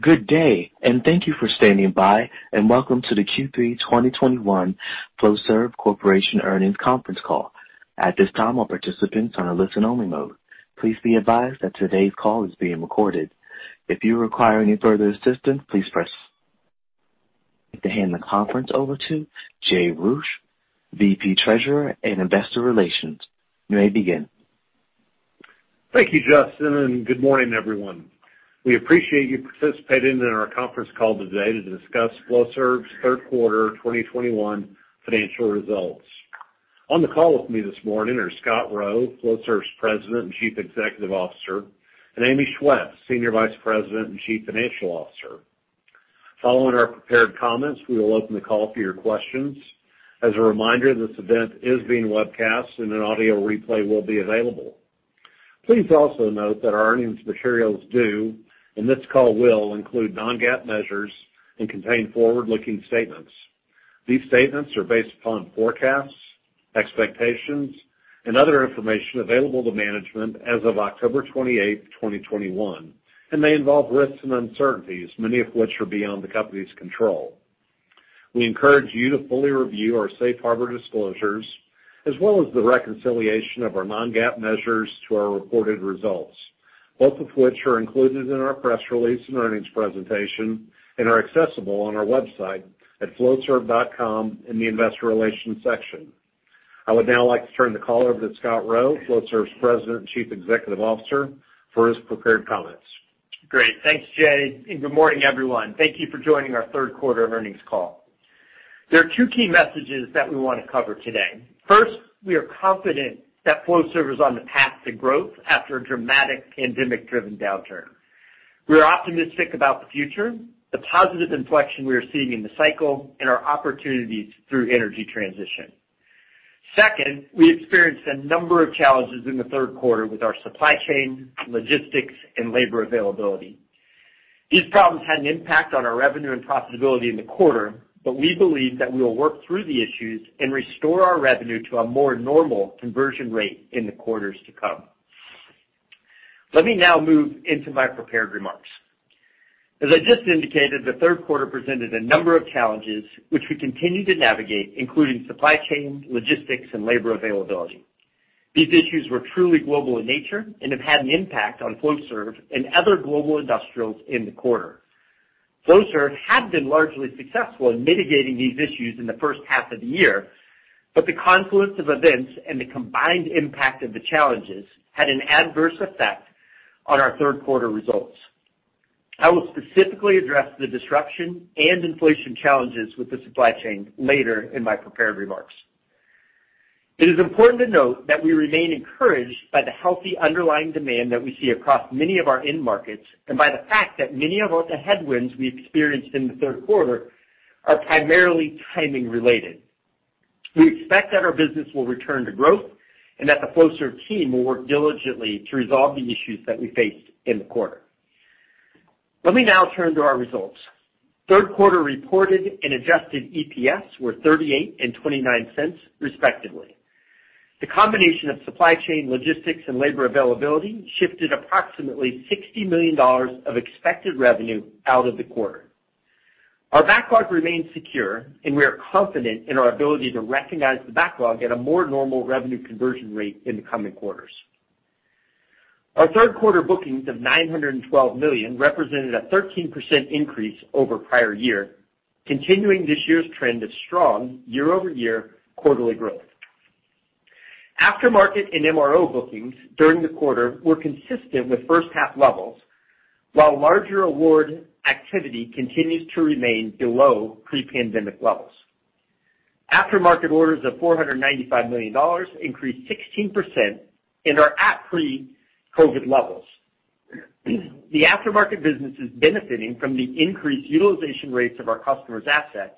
Good day, and thank you for standing by, and welcome to the Q3 2021 Flowserve Corporation Earnings Conference Call. At this time, all participants are in listen only mode. Please be advised that today's call is being recorded. I'd like to hand the conference over to Jay Roueche, VP, Treasurer and Investor Relations. You may begin. Thank you Justin and good morning everyone. We appreciate you participating in our conference call today to discuss Flowserve's third quarter 2021 financial results. On the call with me this morning are Scott Rowe, Flowserve's President and Chief Executive Officer, and Amy Schwetz, Senior Vice President and Chief Financial Officer. Following our prepared comments, we will open the call for your questions. As a reminder, this event is being webcast and an audio replay will be available. Please also note that our earnings materials, and this call will include non-GAAP measures and contain forward-looking statements. These statements are based upon forecasts, expectations, and other information available to management as of October 28, 2021, and may involve risks and uncertainties, many of which are beyond the company's control. We encourage you to fully review our safe harbor disclosures as well as the reconciliation of our non-GAAP measures to our reported results, both of which are included in our press release and earnings presentation and are accessible on our website at flowserve.com in the investor relations section. I would now like to turn the call over to Scott Rowe, Flowserve's President and Chief Executive Officer, for his prepared comments. Great. Thanks, Jay. Good morning everyone. Thank you for joining our third quarter earnings call. There are two key messages that we wanna cover today. First, we are confident that Flowserve is on the path to growth after a dramatic pandemic-driven downturn. We are optimistic about the future, the positive inflection we are seeing in the cycle and our opportunities through energy transition. Second, we experienced a number of challenges in the third quarter with our supply chain, logistics, and labor availability. These problems had an impact on our revenue and profitability in the quarter, but we believe that we will work through the issues and restore our revenue to a more normal conversion rate in the quarters to come. Let me now move into my prepared remarks. As I just indicated, the third quarter presented a number of challenges which we continue to navigate, including supply chain, logistics, and labor availability. These issues were truly global in nature and have had an impact on Flowserve and other global industrials in the quarter. Flowserve had been largely successful in mitigating these issues in the H1 of the year, but the confluence of events and the combined impact of the challenges had an adverse effect on our third quarter results. I will specifically address the disruption and inflation challenges with the supply chain later in my prepared remarks. It is important to note that we remain encouraged by the healthy underlying demand that we see across many of our end markets and by the fact that many of the headwinds we experienced in the third quarter are primarily timing related. We expect that our business will return to growth and that the Flowserve team will work diligently to resolve the issues that we faced in the quarter. Let me now turn to our results. Third quarter reported and Adjusted EPS were $0.38 and $0.29, respectively. The combination of supply chain, logistics, and labor availability shifted approximately $60 million of expected revenue out of the quarter. Our backlog remains secure and we are confident in our ability to recognize the backlog at a more normal revenue conversion rate in the coming quarters. Our third quarter bookings of $912 million represented a 13% increase over prior year, continuing this year's trend of strong year-over-year quarterly growth. Aftermarket and MRO bookings during the quarter were consistent with H1 levels, while larger award activity continues to remain below pre-pandemic levels. Aftermarket orders of $495 million increased 16% and are at pre-COVID levels. The aftermarket business is benefiting from the increased utilization rates of our customers' assets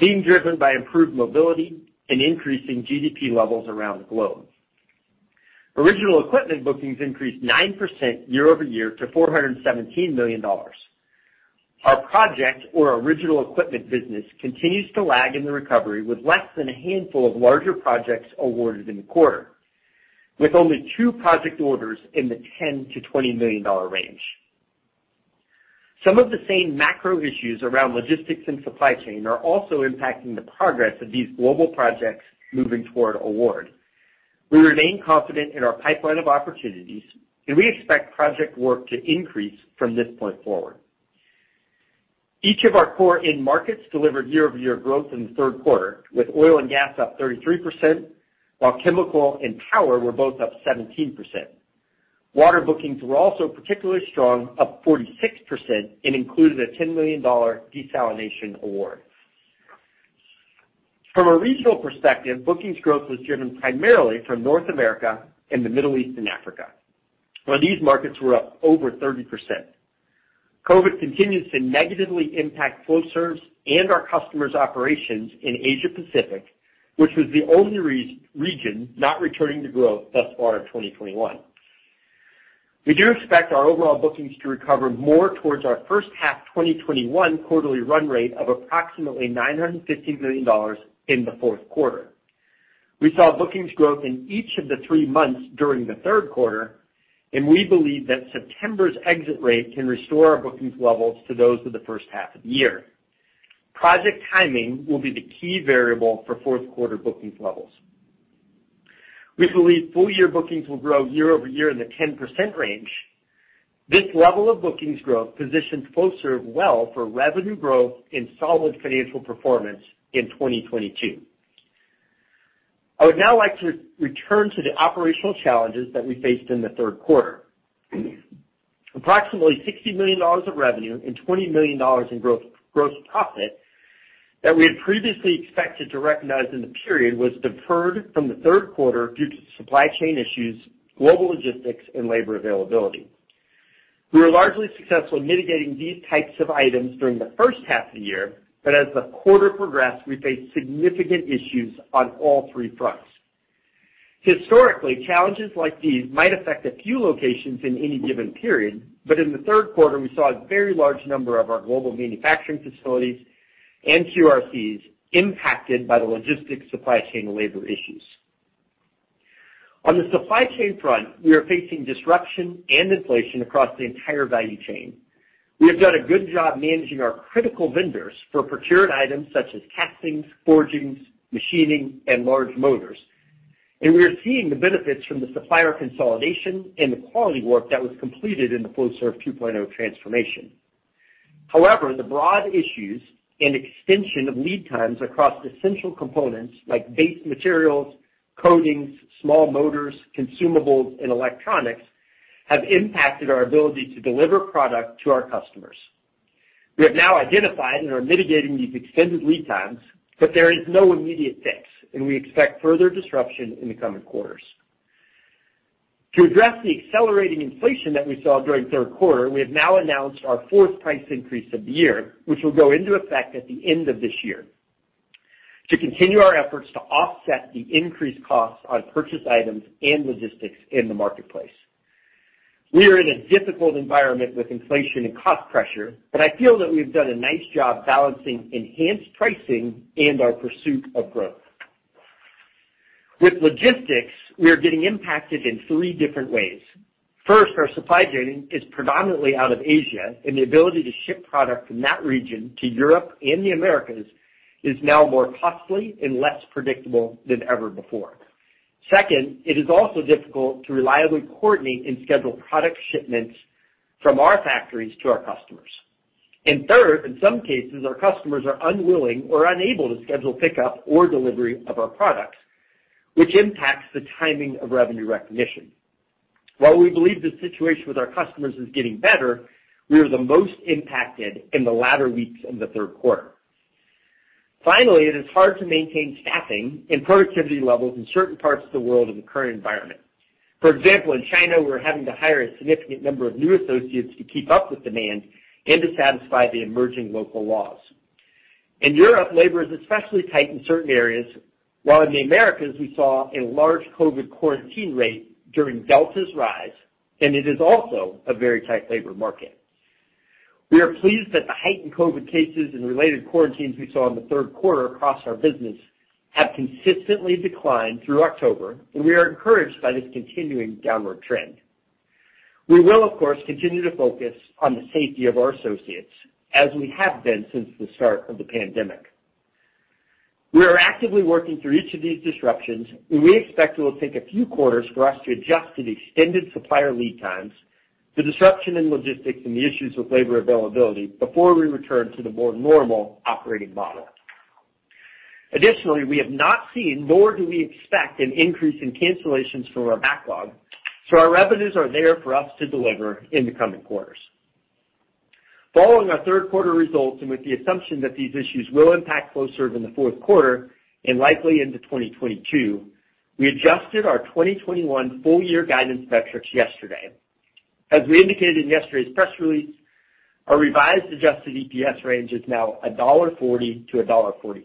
being driven by improved mobility and increasing GDP levels around the globe. Original equipment bookings increased 9% year-over-year to $417 million. Our project or original equipment business continues to lag in the recovery with less than a handful of larger projects awarded in the quarter, with only two project orders in the $10 million-$20 million range. Some of the same macro issues around logistics and supply chain are also impacting the progress of these global projects moving toward award. We remain confident in our pipeline of opportunities, and we expect project work to increase from this point forward. Each of our core end markets delivered year-over-year growth in the third quarter, with oil and gas up 33%, while chemical and power were both up 17%. Water bookings were also particularly strong, up 46%, and included a $10 million desalination award. From a regional perspective, bookings growth was driven primarily from North America and the Middle East and Africa, where these markets were up over 30%. COVID continues to negatively impact Flowserve's and our customers' operations in Asia Pacific, which was the only region not returning to growth thus far in 2021. We do expect our overall bookings to recover more towards our H1 2021 quarterly run rate of approximately $950 million in the fourth quarter. We saw bookings growth in each of the three months during the third quarter, and we believe that September's exit rate can restore our bookings levels to those of the H1 of the year. Project timing will be the key variable for fourth quarter bookings levels. We believe full year bookings will grow year-over-year in the 10% range. This level of bookings growth positions Flowserve well for revenue growth and solid financial performance in 2022. I would now like to return to the operational challenges that we faced in the third quarter. Approximately $60 million of revenue and $20 million in growth, gross profit that we had previously expected to recognize in the period was deferred from the third quarter due to supply chain issues, global logistics, and labor availability. We were largely successful in mitigating these types of items during the H1 of the year, but as the quarter progressed, we faced significant issues on all three fronts. Historically, challenges like these might affect a few locations in any given period, but in the third quarter, we saw a very large number of our global manufacturing facilities and QRCs impacted by the logistics, supply chain, and labor issues. On the supply chain front, we are facing disruption and inflation across the entire value chain. We have done a good job managing our critical vendors for procured items such as castings, forgings, machining, and large motors, and we are seeing the benefits from the supplier consolidation and the quality work that was completed in the Flowserve 2.0 transformation. However, the broad issues and extension of lead times across essential components like base materials, coatings, small motors, consumables, and electronics have impacted our ability to deliver product to our customers. We have now identified and are mitigating these extended lead times, but there is no immediate fix, and we expect further disruption in the coming quarters. To address the accelerating inflation that we saw during third quarter, we have now announced our fourth price increase of the year, which will go into effect at the end of this year to continue our efforts to offset the increased costs on purchased items and logistics in the marketplace. We are in a difficult environment with inflation and cost pressure, but I feel that we've done a nice job balancing enhanced pricing and our pursuit of growth. With logistics, we are getting impacted in three different ways. First, our supply chain is predominantly out of Asia, and the ability to ship product from that region to Europe and the Americas is now more costly and less predictable than ever before. Second, it is also difficult to reliably coordinate and schedule product shipments from our factories to our customers. Third, in some cases, our customers are unwilling or unable to schedule pickup or delivery of our products, which impacts the timing of revenue recognition. While we believe the situation with our customers is getting better, we were the most impacted in the latter weeks of the third quarter. Finally, it is hard to maintain staffing and productivity levels in certain parts of the world in the current environment. For example, in China, we're having to hire a significant number of new associates to keep up with demand and to satisfy the emerging local laws. In Europe, labor is especially tight in certain areas, while in the Americas, we saw a large COVID quarantine rate during Delta's rise, and it is also a very tight labor market. We are pleased that the heightened COVID cases and related quarantines we saw in the third quarter across our business have consistently declined through October, and we are encouraged by this continuing downward trend. We will of course continue to focus on the safety of our associates, as we have been since the start of the pandemic. We are actively working through each of these disruptions, and we expect it will take a few quarters for us to adjust to the extended supplier lead times, the disruption in logistics, and the issues with labor availability before we return to the more normal operating model. Additionally, we have not seen, nor do we expect an increase in cancellations from our backlog, so our revenues are there for us to deliver in the coming quarters. Following our third quarter results, and with the assumption that these issues will impact Flowserve in the fourth quarter and likely into 2022, we adjusted our 2021 full year guidance metrics yesterday. As we indicated in yesterday's press release, our revised Adjusted EPS range is now $1.40-$1.45.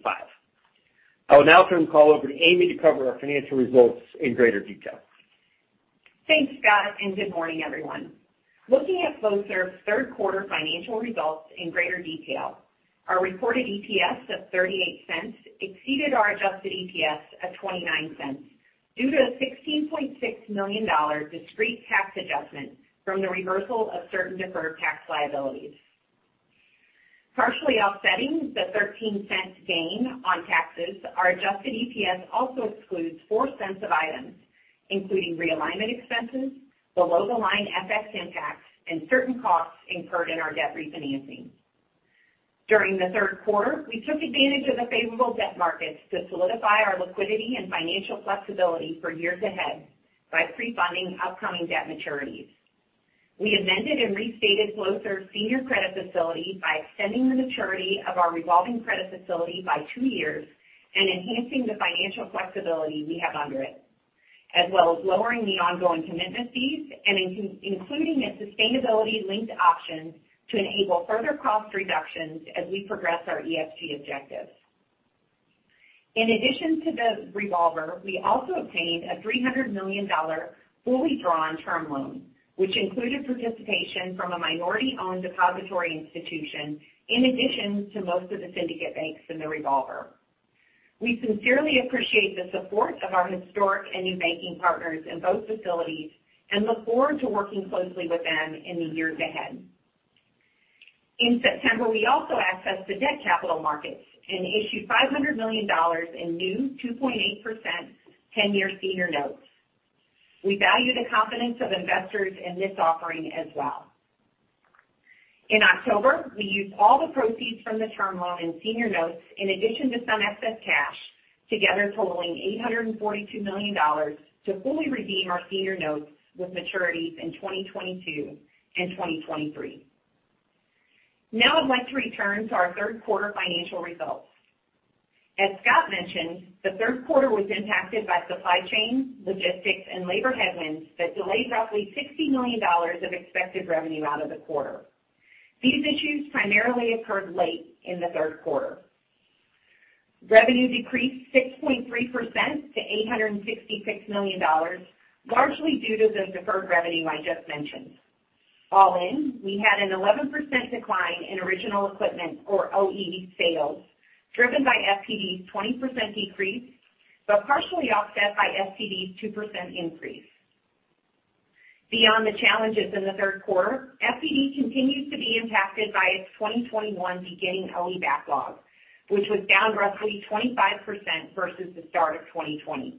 I will now turn the call over to Amy to cover our financial results in greater detail. Thanks Scott and good morning everyone. Looking at Flowserve's third quarter financial results in greater detail, our reported EPS of $0.38 exceeded our Adjusted EPS of $0.29 due to a $16.6 million discrete tax adjustment from the reversal of certain deferred tax liabilities. Partially offsetting the $0.13 gain on taxes, our Adjusted EPS also excludes $0.04 of items, including realignment expenses, below-the-line FX impacts, and certain costs incurred in our debt refinancing. During the third quarter, we took advantage of the favorable debt markets to solidify our liquidity and financial flexibility for years ahead by pre-funding upcoming debt maturities. We amended and restated Flowserve's senior credit facility by extending the maturity of our revolving credit facility by two years and enhancing the financial flexibility we have under it, as well as lowering the ongoing commitment fees and including a sustainability-linked option to enable further cost reductions as we progress our ESG objectives. In addition to the revolver, we also obtained a $300 million fully drawn term loan, which included participation from a minority-owned depository institution in addition to most of the syndicate banks in the revolver. We sincerely appreciate the support of our historic and new banking partners in both facilities and look forward to working closely with them in the years ahead. In September, we also accessed the debt capital markets and issued $500 million in new 2.8% 10-year senior notes. We value the confidence of investors in this offering as well. In October, we used all the proceeds from the term loan and senior notes in addition to some excess cash, together totaling $842 million to fully redeem our senior notes with maturities in 2022 and 2023. Now I'd like to return to our third quarter financial results. As Scott mentioned, the third quarter was impacted by supply chain, logistics, and labor headwinds that delayed roughly $60 million of expected revenue out of the quarter. These issues primarily occurred late in the third quarter. Revenue decreased 6.3% to $866 million, largely due to the deferred revenue I just mentioned. All in, we had an 11% decline in original equipment, or OE, sales, driven by FPD's 20% decrease, but partially offset by FPD's 2% increase. Beyond the challenges in the third quarter, FPD continues to be impacted by its 2021 beginning OE backlog, which was down roughly 25% versus the start of 2020.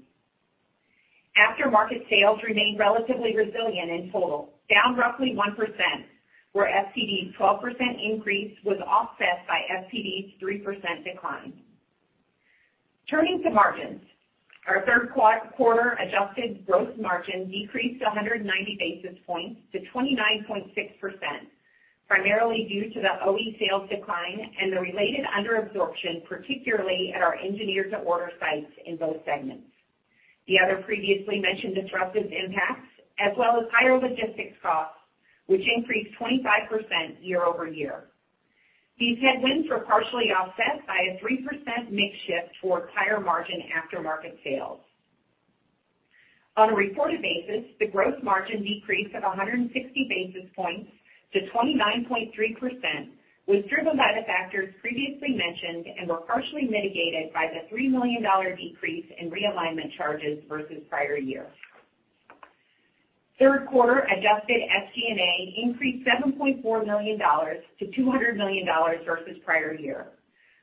Aftermarket sales remained relatively resilient in total, down roughly 1%, where FPD's 12% increase was offset by FPD's 3% decline. Turning to margins, our third quarter adjusted gross margin decreased 190 basis points to 29.6%, primarily due to the OE sales decline and the related underabsorption, particularly at our engineers-to-order sites in both segments. The other previously mentioned disruptive impacts, as well as higher logistics costs, which increased 25% year-over-year. These headwinds were partially offset by a 3% mix shift towards higher-margin aftermarket sales. On a reported basis, the gross margin decrease of 160 basis points to 29.3% was driven by the factors previously mentioned and were partially mitigated by the $3 million decrease in realignment charges versus prior year. Third quarter adjusted SG&A increased $7.4 million to $200 million versus prior year,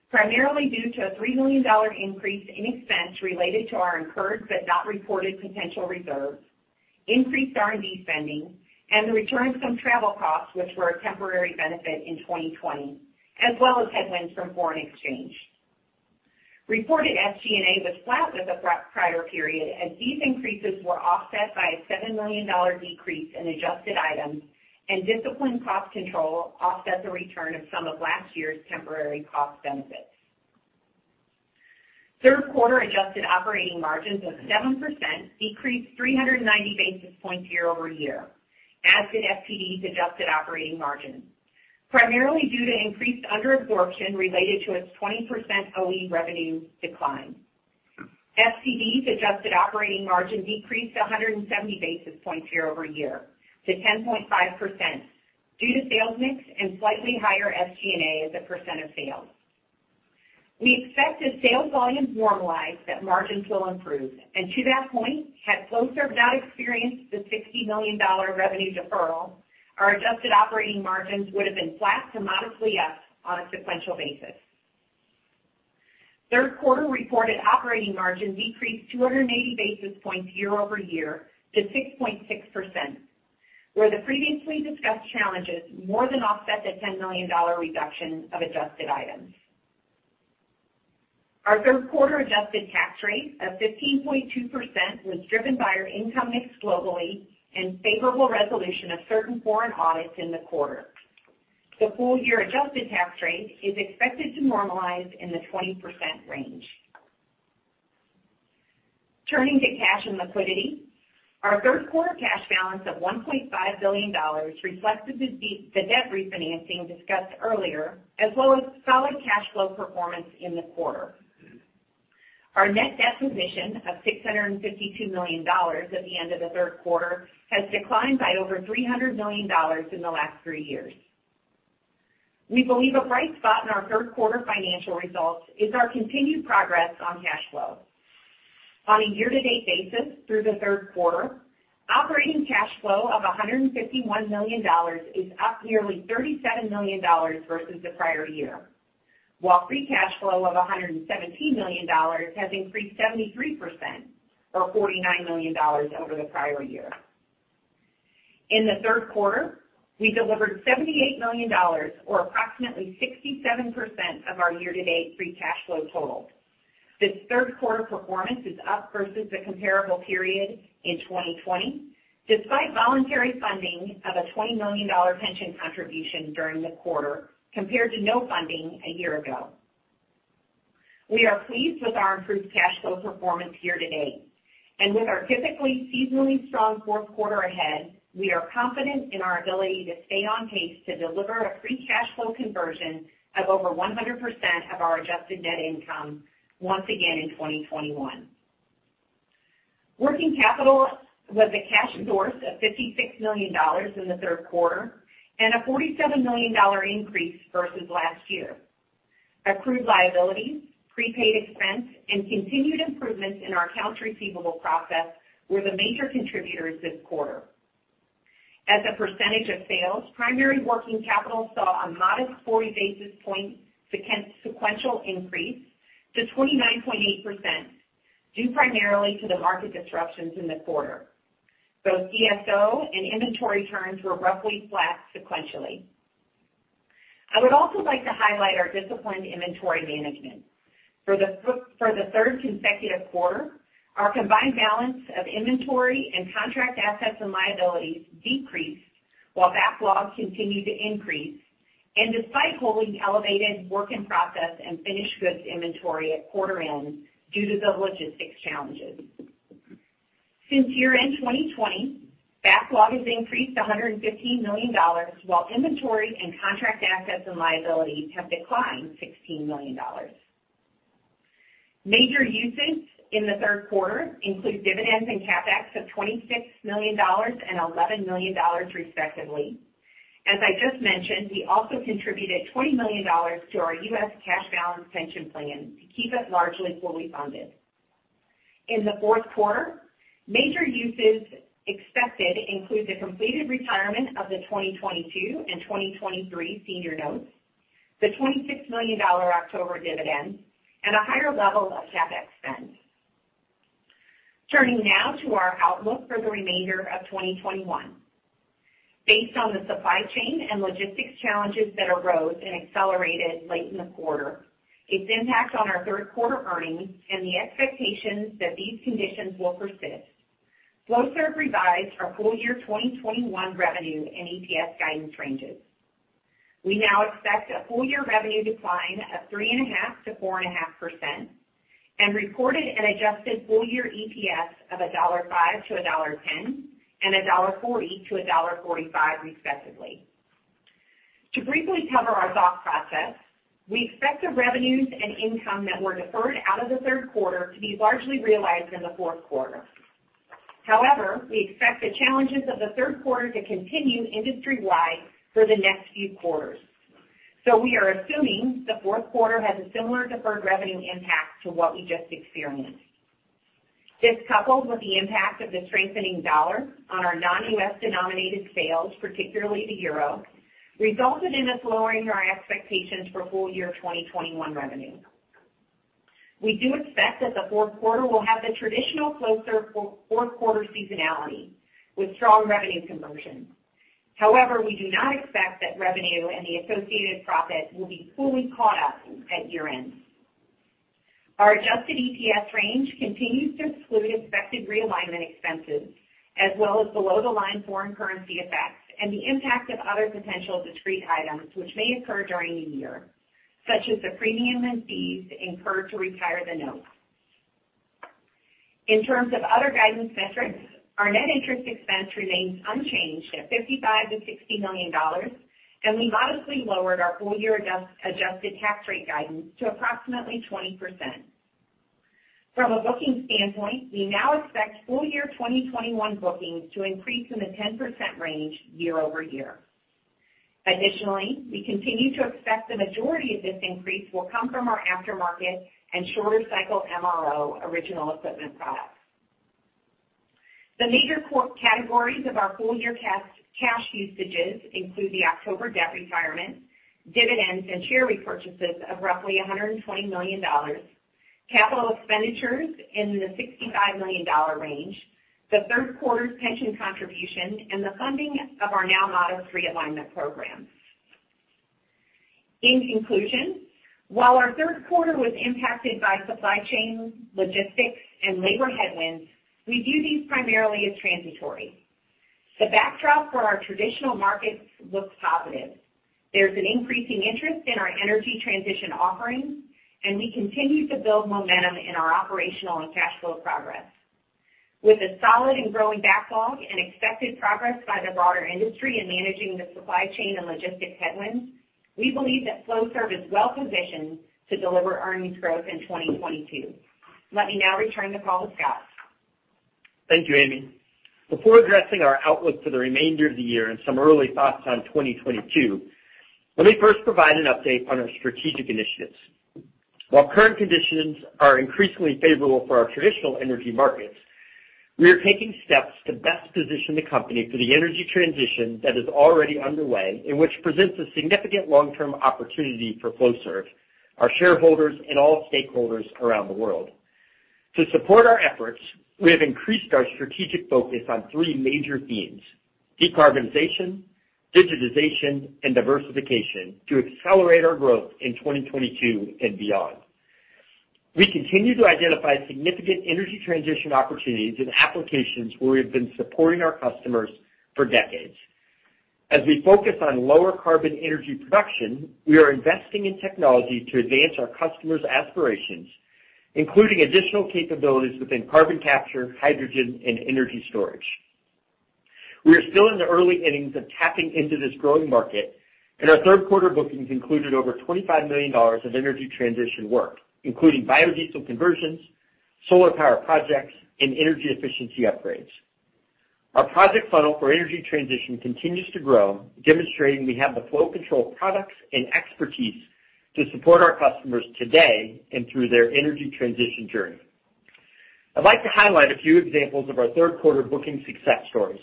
primarily due to a $3 million increase in expense related to our incurred but not reported potential reserves, increased R&D spending, and the return of some travel costs, which were a temporary benefit in 2020, as well as headwinds from foreign exchange. Reported SG&A was flat with the prior period, as these increases were offset by a $7 million decrease in adjusted items, and disciplined cost control offset the return of some of last year's temporary cost benefits. Third quarter adjusted operating margins of 7% decreased 390 basis points year-over-year, as did FPD's adjusted operating margin, primarily due to increased underabsorption related to its 20% OE revenue decline. FCD's adjusted operating margin decreased 170 basis points year-over-year to 10.5% due to sales mix and slightly higher SG&A as a percent of sales. We expect as sales volumes normalize that margins will improve. To that point, had Flowserve not experienced the $60 million revenue deferral, our adjusted operating margins would have been flat to modestly up on a sequential basis. Third quarter reported operating margin decreased 280 basis points year-over-year to 6.6%, where the previously discussed challenges more than offset the $10 million reduction of adjusted items. Our third quarter adjusted tax rate of 15.2% was driven by our income mix globally and favorable resolution of certain foreign audits in the quarter. The full-year adjusted tax rate is expected to normalize in the 20% range. Turning to cash and liquidity, our third quarter cash balance of $1.5 billion reflected the debt refinancing discussed earlier, as well as solid cash flow performance in the quarter. Our net debt position of $652 million at the end of the third quarter has declined by over $300 million in the last three years. We believe a bright spot in our third quarter financial results is our continued progress on cash flow. On a year-to-date basis through the third quarter, operating cash flow of $151 million is up nearly $37 million versus the prior year, while free cash flow of $117 million has increased 73% or $49 million over the prior year. In the third quarter, we delivered $78 million or approximately 67% of our year-to-date free cash flow total. This third quarter performance is up versus the comparable period in 2020, despite voluntary funding of a $20 million pension contribution during the quarter compared to no funding a year ago. We are pleased with our improved cash flow performance year to date. With our typically seasonally strong fourth quarter ahead, we are confident in our ability to stay on pace to deliver a free cash flow conversion of over 100% of our adjusted net income once again in 2021. Working capital was a cash source of $56 million in the third quarter and a $47 million increase versus last year. Accrued liabilities, prepaid expense, and continued improvements in our accounts receivable process were the major contributors this quarter. As a percentage of sales, primary working capital saw a modest 40 basis point sequential increase to 29.8% due primarily to the market disruptions in the quarter. Both DSO and inventory turns were roughly flat sequentially. I would also like to highlight our disciplined inventory management. For the third consecutive quarter, our combined balance of inventory and contract assets and liabilities decreased while backlogs continued to increase, and despite holding elevated work in process and finished goods inventory at quarter end due to the logistics challenges. Since year-end 2020, backlog has increased $115 million, while inventory and contract assets and liabilities have declined $16 million. Major uses in the third quarter include dividends and CapEx of $26 million and $11 million, respectively. As I just mentioned, we also contributed $20 million to our U.S. cash balance pension plan to keep it largely fully funded. In the fourth quarter, major uses expected include the completed retirement of the 2022 and 2023 senior notes, the $26 million October dividend, and a higher level of CapEx spend. Turning now to our outlook for the remainder of 2021. Based on the supply chain and logistics challenges that arose and accelerated late in the quarter, its impact on our third quarter earnings and the expectations that these conditions will persist, Flowserve revised our full year 2021 revenue and EPS guidance ranges. We now expect a full year revenue decline of 3.5%-4.5% and reported an adjusted full year EPS of $1.05-$1.10 and $1.40-$1.45, respectively. To briefly cover our thought process, we expect the revenues and income that were deferred out of the third quarter to be largely realized in the fourth quarter. However, we expect the challenges of the third quarter to continue industry-wide for the next few quarters. We are assuming the fourth quarter has a similar deferred revenue impact to what we just experienced. This, coupled with the impact of the strengthening dollar on our non-U.S. denominated sales, particularly the euro, resulted in us lowering our expectations for full year 2021 revenue. We do expect that the fourth quarter will have the traditional closer for fourth quarter seasonality with strong revenue conversion. However, we do not expect that revenue and the associated profit will be fully caught up at year-end. Our Adjusted EPS range continues to exclude expected realignment expenses as well as below-the-line foreign currency effects and the impact of other potential discrete items which may occur during the year, such as the premium and fees incurred to retire the note. In terms of other guidance metrics, our net interest expense remains unchanged at $55 million-$60 million, and we modestly lowered our full year adjusted tax rate guidance to approximately 20%. From a booking standpoint, we now expect full year 2021 bookings to increase in the 10% range year-over-year. Additionally, we continue to expect the majority of this increase will come from our aftermarket and shorter cycle MRO original equipment products. The major core categories of our full-year cash usages include the October debt retirement, dividends, and share repurchases of roughly $120 million, capital expenditures in the $65 million range, the third quarter's pension contribution, and the funding of our now modest realignment program. In conclusion, while our third quarter was impacted by supply chain, logistics, and labor headwinds, we view these primarily as transitory. The backdrop for our traditional markets looks positive. There's an increasing interest in our energy transition offerings, and we continue to build momentum in our operational and cash flow progress. With a solid and growing backlog and expected progress by the broader industry in managing the supply chain and logistics headwinds, we believe that Flowserve is well positioned to deliver earnings growth in 2022. Let me now return the call to Scott. Thank you, Amy. Before addressing our outlook for the remainder of the year and some early thoughts on 2022, let me first provide an update on our strategic initiatives. While current conditions are increasingly favorable for our traditional energy markets, we are taking steps to best position the company for the energy transition that is already underway and which presents a significant long-term opportunity for Flowserve, our shareholders, and all stakeholders around the world. To support our efforts, we have increased our strategic focus on three major themes, decarbonization, digitization, and diversification, to accelerate our growth in 2022 and beyond. We continue to identify significant energy transition opportunities in applications where we have been supporting our customers for decades. As we focus on lower carbon energy production, we are investing in technology to advance our customers' aspirations, including additional capabilities within carbon capture, hydrogen, and energy storage. We are still in the early innings of tapping into this growing market, and our third quarter bookings included over $25 million of energy transition work, including biodiesel conversions, solar power projects, and energy efficiency upgrades. Our project funnel for energy transition continues to grow, demonstrating we have the flow control products and expertise to support our customers today and through their energy transition journey. I'd like to highlight a few examples of our third quarter booking success stories.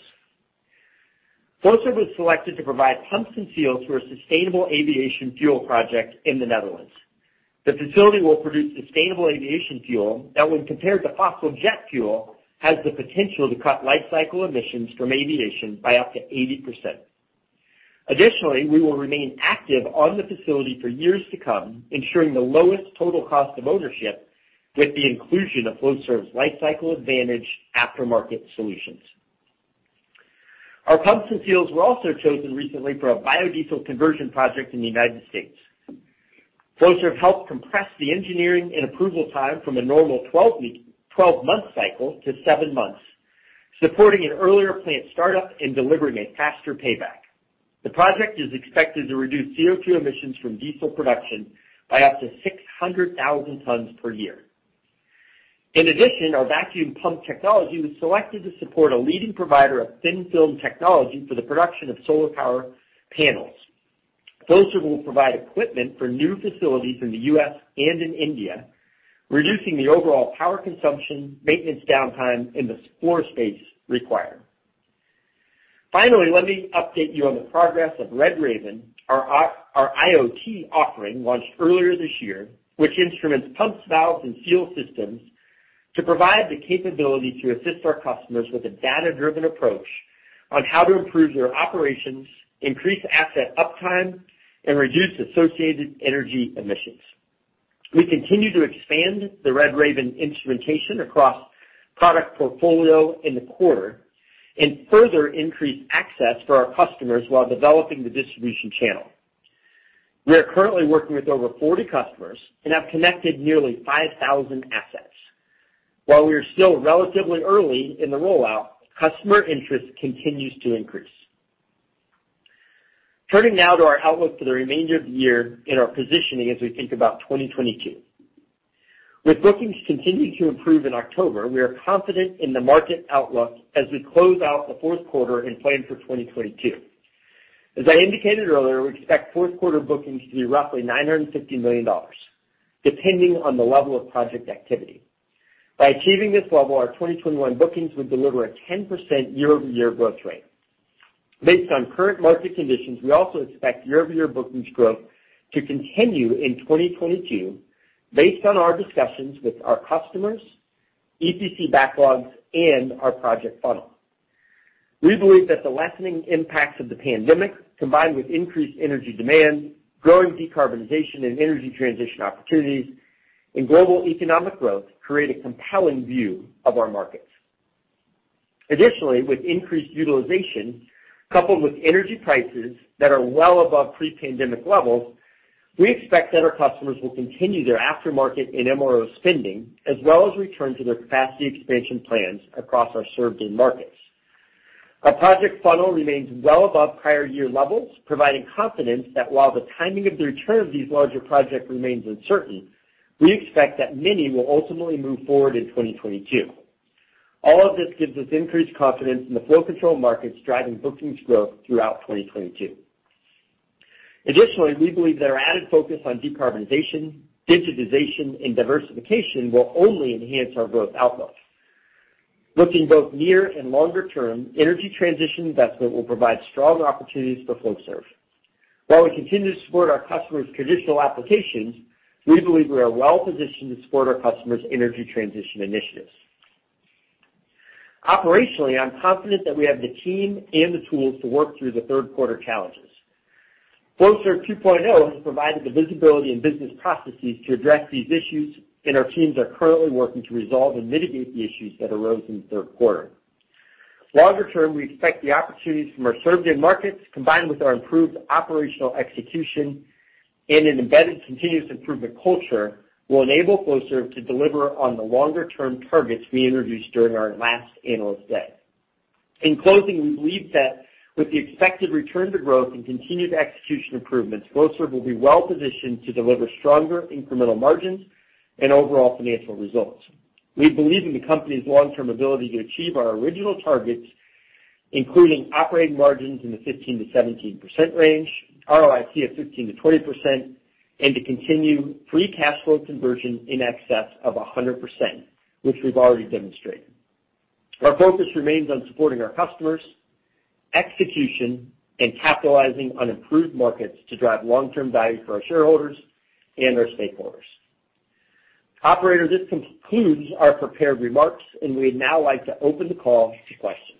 Flowserve was selected to provide pumps and seals for a sustainable aviation fuel project in the Netherlands. The facility will produce sustainable aviation fuel that, when compared to fossil jet fuel, has the potential to cut lifecycle emissions from aviation by up to 80%. Additionally, we will remain active on the facility for years to come, ensuring the lowest total cost of ownership with the inclusion of Flowserve's LifeCycle Advantage aftermarket solutions. Our pumps and seals were also chosen recently for a biodiesel conversion project in the United States. Flowserve helped compress the engineering and approval time from a normal 12-month cycle to seven months, supporting an earlier plant start-up and delivering a faster payback. The project is expected to reduce CO2 emissions from diesel production by up to 600,000 tons per year. In addition, our vacuum pump technology was selected to support a leading provider of thin film technology for the production of solar power panels. Flowserve will provide equipment for new facilities in the U.S. and in India, reducing the overall power consumption, maintenance downtime, and the floor space required. Finally, let me update you on the progress of RedRaven, our IoT offering launched earlier this year, which instruments pumps, valves, and seal systems to provide the capability to assist our customers with a data-driven approach on how to improve their operations, increase asset uptime, and reduce associated energy emissions. We continue to expand the RedRaven instrumentation across product portfolio in the quarter and further increase access for our customers while developing the distribution channel. We are currently working with over 40 customers and have connected nearly 5,000 assets. While we are still relatively early in the rollout, customer interest continues to increase. Turning now to our outlook for the remainder of the year and our positioning as we think about 2022. With bookings continuing to improve in October, we are confident in the market outlook as we close out the fourth quarter and plan for 2022. As I indicated earlier, we expect fourth quarter bookings to be roughly $950 million, depending on the level of project activity. By achieving this level, our 2021 bookings would deliver a 10% year-over-year growth rate. Based on current market conditions, we also expect year-over-year bookings growth to continue in 2022 based on our discussions with our customers, EPC backlogs, and our project funnel. We believe that the lessening impacts of the pandemic, combined with increased energy demand, growing decarbonization and energy transition opportunities, and global economic growth, create a compelling view of our markets. Additionally, with increased utilization, coupled with energy prices that are well above pre-pandemic levels, we expect that our customers will continue their aftermarket and MRO spending, as well as return to their capacity expansion plans across our served end markets. Our project funnel remains well above prior year levels, providing confidence that while the timing of the return of these larger projects remains uncertain, we expect that many will ultimately move forward in 2022. All of this gives us increased confidence in the flow control markets driving bookings growth throughout 2022. Additionally, we believe that our added focus on decarbonization, digitization, and diversification will only enhance our growth outlook. Looking both near and longer term, energy transition investment will provide strong opportunities for Flowserve. While we continue to support our customers' traditional applications, we believe we are well positioned to support our customers' energy transition initiatives. Operationally, I'm confident that we have the team and the tools to work through the third quarter challenges. Flowserve 2.0 has provided the visibility and business processes to address these issues, and our teams are currently working to resolve and mitigate the issues that arose in the third quarter. Longer term, we expect the opportunities from our served end markets, combined with our improved operational execution and an embedded continuous improvement culture, will enable Flowserve to deliver on the longer-term targets we introduced during our last Analyst Day. In closing, we believe that with the expected return to growth and continued execution improvements, Flowserve will be well positioned to deliver stronger incremental margins and overall financial results. We believe in the company's long-term ability to achieve our original targets, including operating margins in the 15%-17% range, ROIC of 15%-20%, and to continue free cash flow conversion in excess of 100%, which we've already demonstrated. Our focus remains on supporting our customers, execution, and capitalizing on improved markets to drive long-term value for our shareholders and our stakeholders. Operator, this concludes our prepared remarks, and we'd now like to open the call to questions.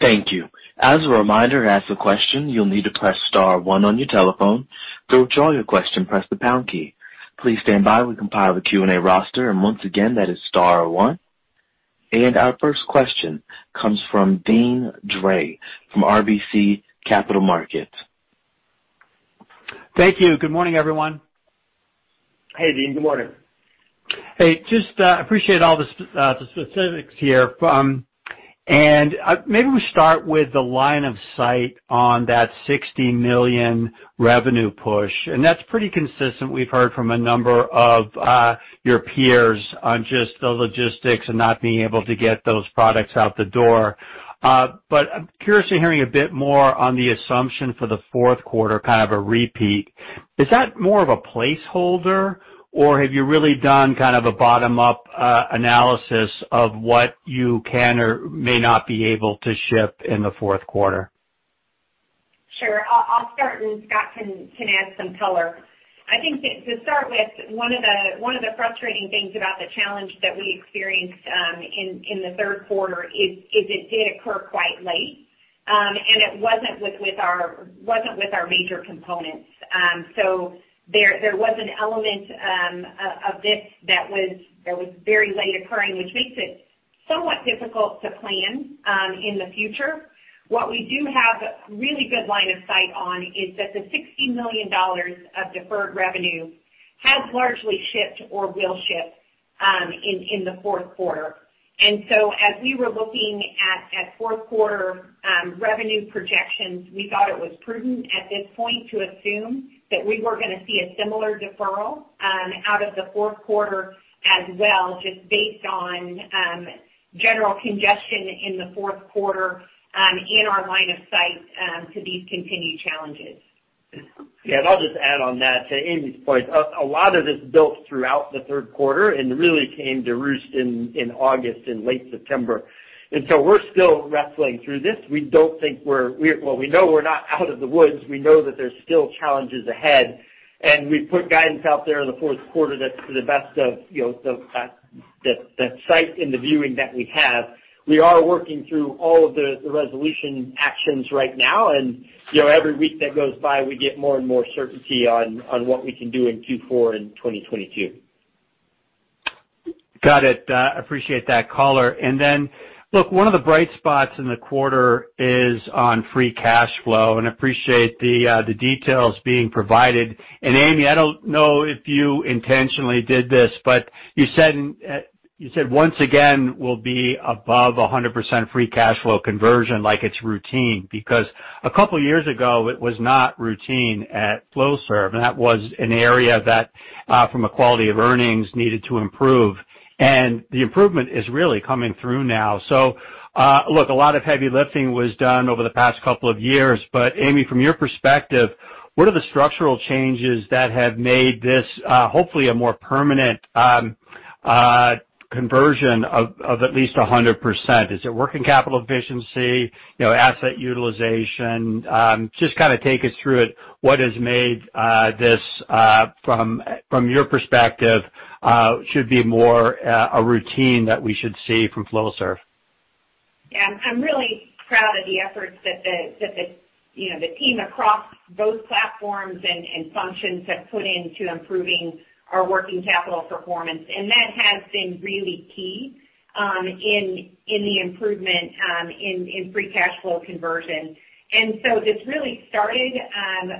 Thank you. As a reminder, to ask a question, you'll need to press star one on your telephone. To withdraw your question, press the pound key. Please stand by while we compile the Q&A roster. Once again, that is star one. Our first question comes from Deane Dray from RBC Capital Markets. Thank you. Good morning everyone. Hey, Deane. Good morning. Hey, just appreciate all the specifics here. Maybe we start with the line of sight on that $60 million revenue push. That's pretty consistent. We've heard from a number of your peers on just the logistics and not being able to get those products out the door. I'm curious in hearing a bit more on the assumption for the fourth quarter, kind of a repeat. Is that more of a placeholder, or have you really done kind of a bottom-up analysis of what you can or may not be able to ship in the fourth quarter? Sure. I'll start, and Scott can add some color. I think that to start with, one of the frustrating things about the challenge that we experienced in the third quarter is it did occur quite late, and it wasn't with our major components. There was an element of this that was very late occurring, which makes it somewhat difficult to plan in the future. What we do have really good line of sight on is that the $60 million of deferred revenue has largely shipped or will ship in the fourth quarter. As we were looking at fourth quarter revenue projections, we thought it was prudent at this point to assume that we were gonna see a similar deferral out of the fourth quarter as well, just based on general congestion in the fourth quarter in our line of sight to these continued challenges. Yeah. I'll just add on that to Amy's point. A lot of this built throughout the third quarter and really came to roost in August and late September. We're still wrestling through this. Well, we know we're not out of the woods. We know that there's still challenges ahead, and we put guidance out there in the fourth quarter that's for the best of, you know, the sight and the visibility that we have. We are working through all of the resolution actions right now and, you know, every week that goes by, we get more and more certainty on what we can do in Q4 and 2022. Got it. Appreciate that color. Look, one of the bright spots in the quarter is on free cash flow, and appreciate the details being provided. Amy, I don't know if you intentionally did this, but you said once again, we'll be above 100% free cash flow conversion like it's routine. A couple years ago, it was not routine at Flowserve, and that was an area that, from a quality of earnings, needed to improve. The improvement is really coming through now. Look, a lot of heavy lifting was done over the past couple of years. Amy, from your perspective, what are the structural changes that have made this hopefully a more permanent conversion of at least 100%? Is it working capital efficiency, you know, asset utilization? Just kinda take us through it, what has made this from your perspective should be more a routine that we should see from Flowserve. Yeah. I'm really proud of the efforts that you know, the team across both platforms and functions have put into improving our working capital performance. That has been really key in the improvement in free cash flow conversion. This really started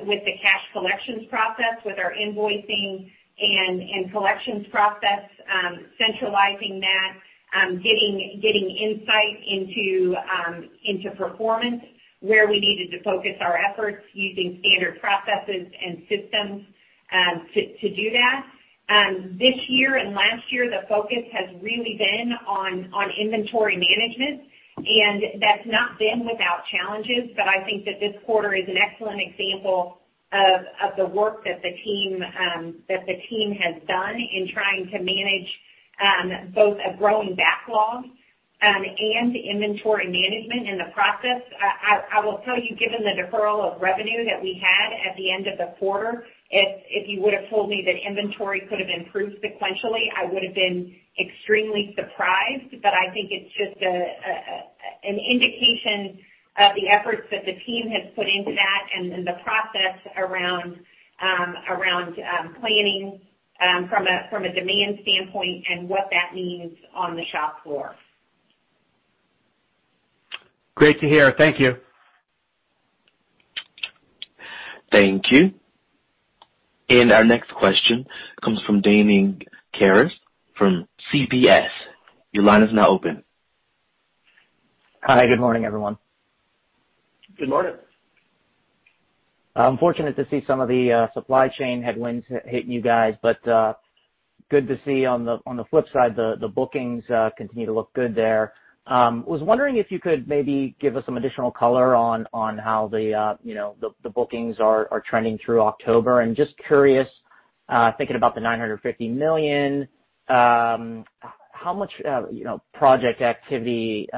with the cash collections process, with our invoicing and collections process, centralizing that, getting insight into performance, where we needed to focus our efforts using standard processes and systems, to do that. This year and last year, the focus has really been on inventory management, and that's not been without challenges. I think that this quarter is an excellent example of the work that the team has done in trying to manage both a growing backlog and inventory management in the process. I will tell you, given the deferral of revenue that we had at the end of the quarter, if you would've told me that inventory could have improved sequentially, I would've been extremely surprised. I think it's just an indication of the efforts that the team has put into that and the process around planning from a demand standpoint and what that means on the shop floor. Great to hear. Thank you. Thank you. Our next question comes from Damian Karas from UBS. Your line is now open. Hi. Good morning everyone. Good morning. I'm fortunate to see some of the supply chain headwinds hit you guys, but good to see on the flip side, the bookings continue to look good there. Was wondering if you could maybe give us some additional color on how you know, the bookings are trending through October. Just curious, thinking about the $950 million, how much you know, project activity,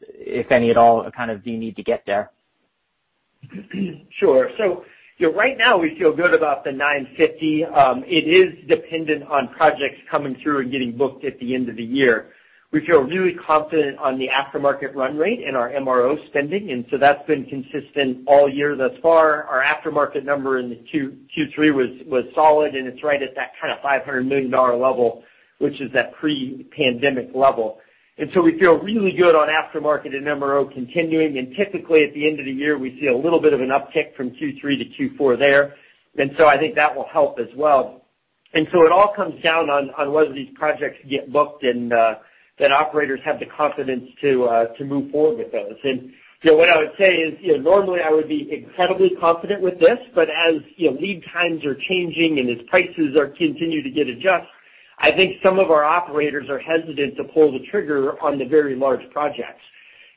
if any at all, kind of do you need to get there? Sure. You know, right now we feel good about the $950. It is dependent on projects coming through and getting booked at the end of the year. We feel really confident on the aftermarket run rate and our MRO spending, and so that's been consistent all year thus far. Our aftermarket number in the Q3 was solid, and it's right at that kind of $500 million level, which is that pre-pandemic level. We feel really good on aftermarket and MRO continuing. Typically, at the end of the year, we see a little bit of an uptick from Q3-Q4 there. I think that will help as well. It all comes down to whether these projects get booked and that operators have the confidence to move forward with those. You know, what I would say is, you know, normally I would be incredibly confident with this, but as, you know, lead times are changing and as prices continue to get adjusted, I think some of our operators are hesitant to pull the trigger on the very large projects.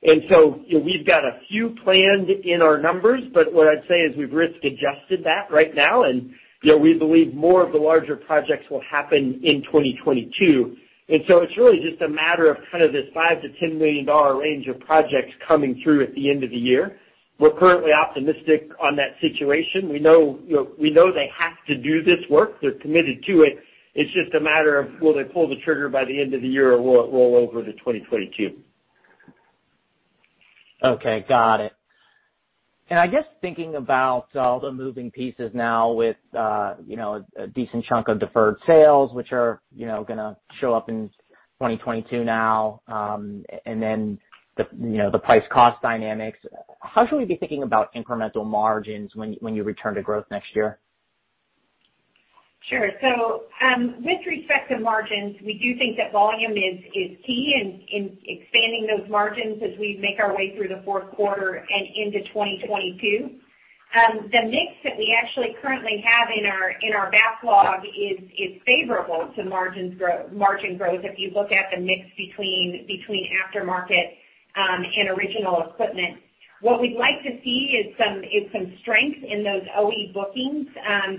You know, we've got a few planned in our numbers, but what I'd say is we've risk adjusted that right now. You know, we believe more of the larger projects will happen in 2022. It's really just a matter of kind of this $5 million-$10 million range of projects coming through at the end of the year. We're currently optimistic on that situation. We know, you know, they have to do this work. They're committed to it. It's just a matter of will they pull the trigger by the end of the year, or will it roll over to 2022? Okay, got it. I guess thinking about all the moving pieces now with, you know, a decent chunk of deferred sales, which are, you know, gonna show up in 2022 now, and then the, you know, the price cost dynamics, how should we be thinking about incremental margins when you return to growth next year? Sure. With respect to margins, we do think that volume is key in expanding those margins as we make our way through the fourth quarter and into 2022. The mix that we actually currently have in our backlog is favorable to margin growth if you look at the mix between aftermarket and original equipment. What we'd like to see is some strength in those OE bookings. At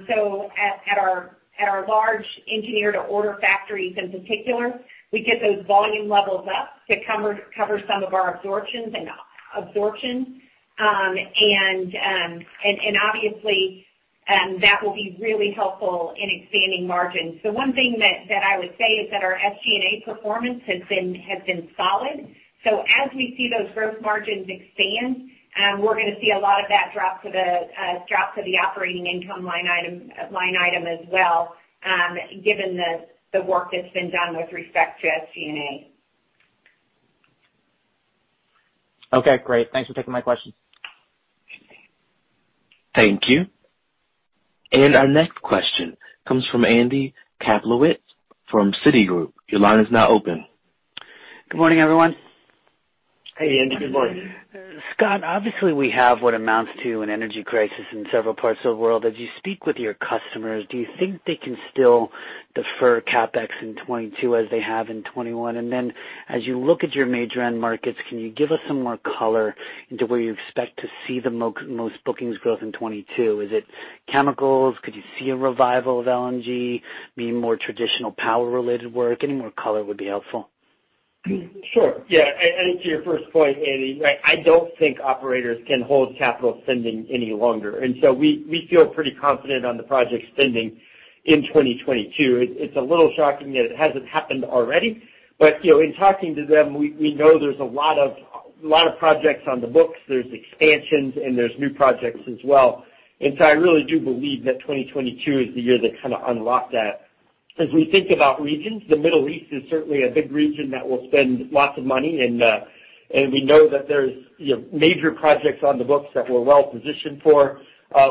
our large engineer-to-order factories in particular, we get those volume levels up to cover some of our absorptions. And obviously, that will be really helpful in expanding margins. The one thing that I would say is that our SG&A performance has been solid. As we see those growth margins expand, we're gonna see a lot of that drop to the operating income line item as well, given the work that's been done with respect to SG&A. Okay, great. Thanks for taking my question. Thank you. Our next question comes from Andy Kaplowitz from Citigroup. Your line is now open. Good morning everyone. Hey, Andy. Good morning. Scott, obviously we have what amounts to an energy crisis in several parts of the world. As you speak with your customers, do you think they can still defer CapEx in 2022 as they have in 2021? As you look at your major end markets, can you give us some more color into where you expect to see the most bookings growth in 2022? Is it chemicals? Could you see a revival of LNG being more traditional power-related work? Any more color would be helpful. Sure, yeah. To your first point, Andy, I don't think operators can hold capital spending any longer. We feel pretty confident on the project spending in 2022. It's a little shocking that it hasn't happened already, but you know, in talking to them, we know there's a lot of projects on the books, there's expansions, and there's new projects as well. I really do believe that 2022 is the year they kinda unlock that. As we think about regions, the Middle East is certainly a big region that will spend lots of money, and we know that there's you know, major projects on the books that we're well positioned for.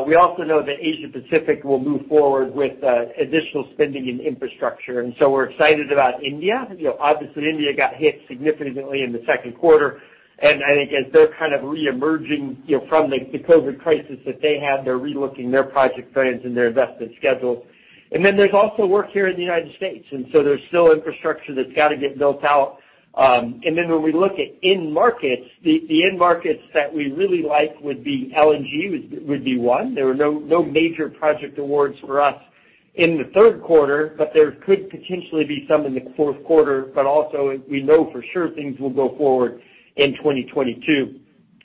We also know that Asia Pacific will move forward with additional spending in infrastructure, and so we're excited about India. You know, obviously India got hit significantly in the second quarter, and I think as they're kind of reemerging, you know, from the COVID crisis that they had, they're relooking their project plans and their investment schedule. There's also work here in the United States, and so there's still infrastructure that's gotta get built out. When we look at end markets, the end markets that we really like would be LNG, would be one. There were no major project awards for us in the third quarter, but there could potentially be some in the fourth quarter. Also we know for sure things will go forward in 2022.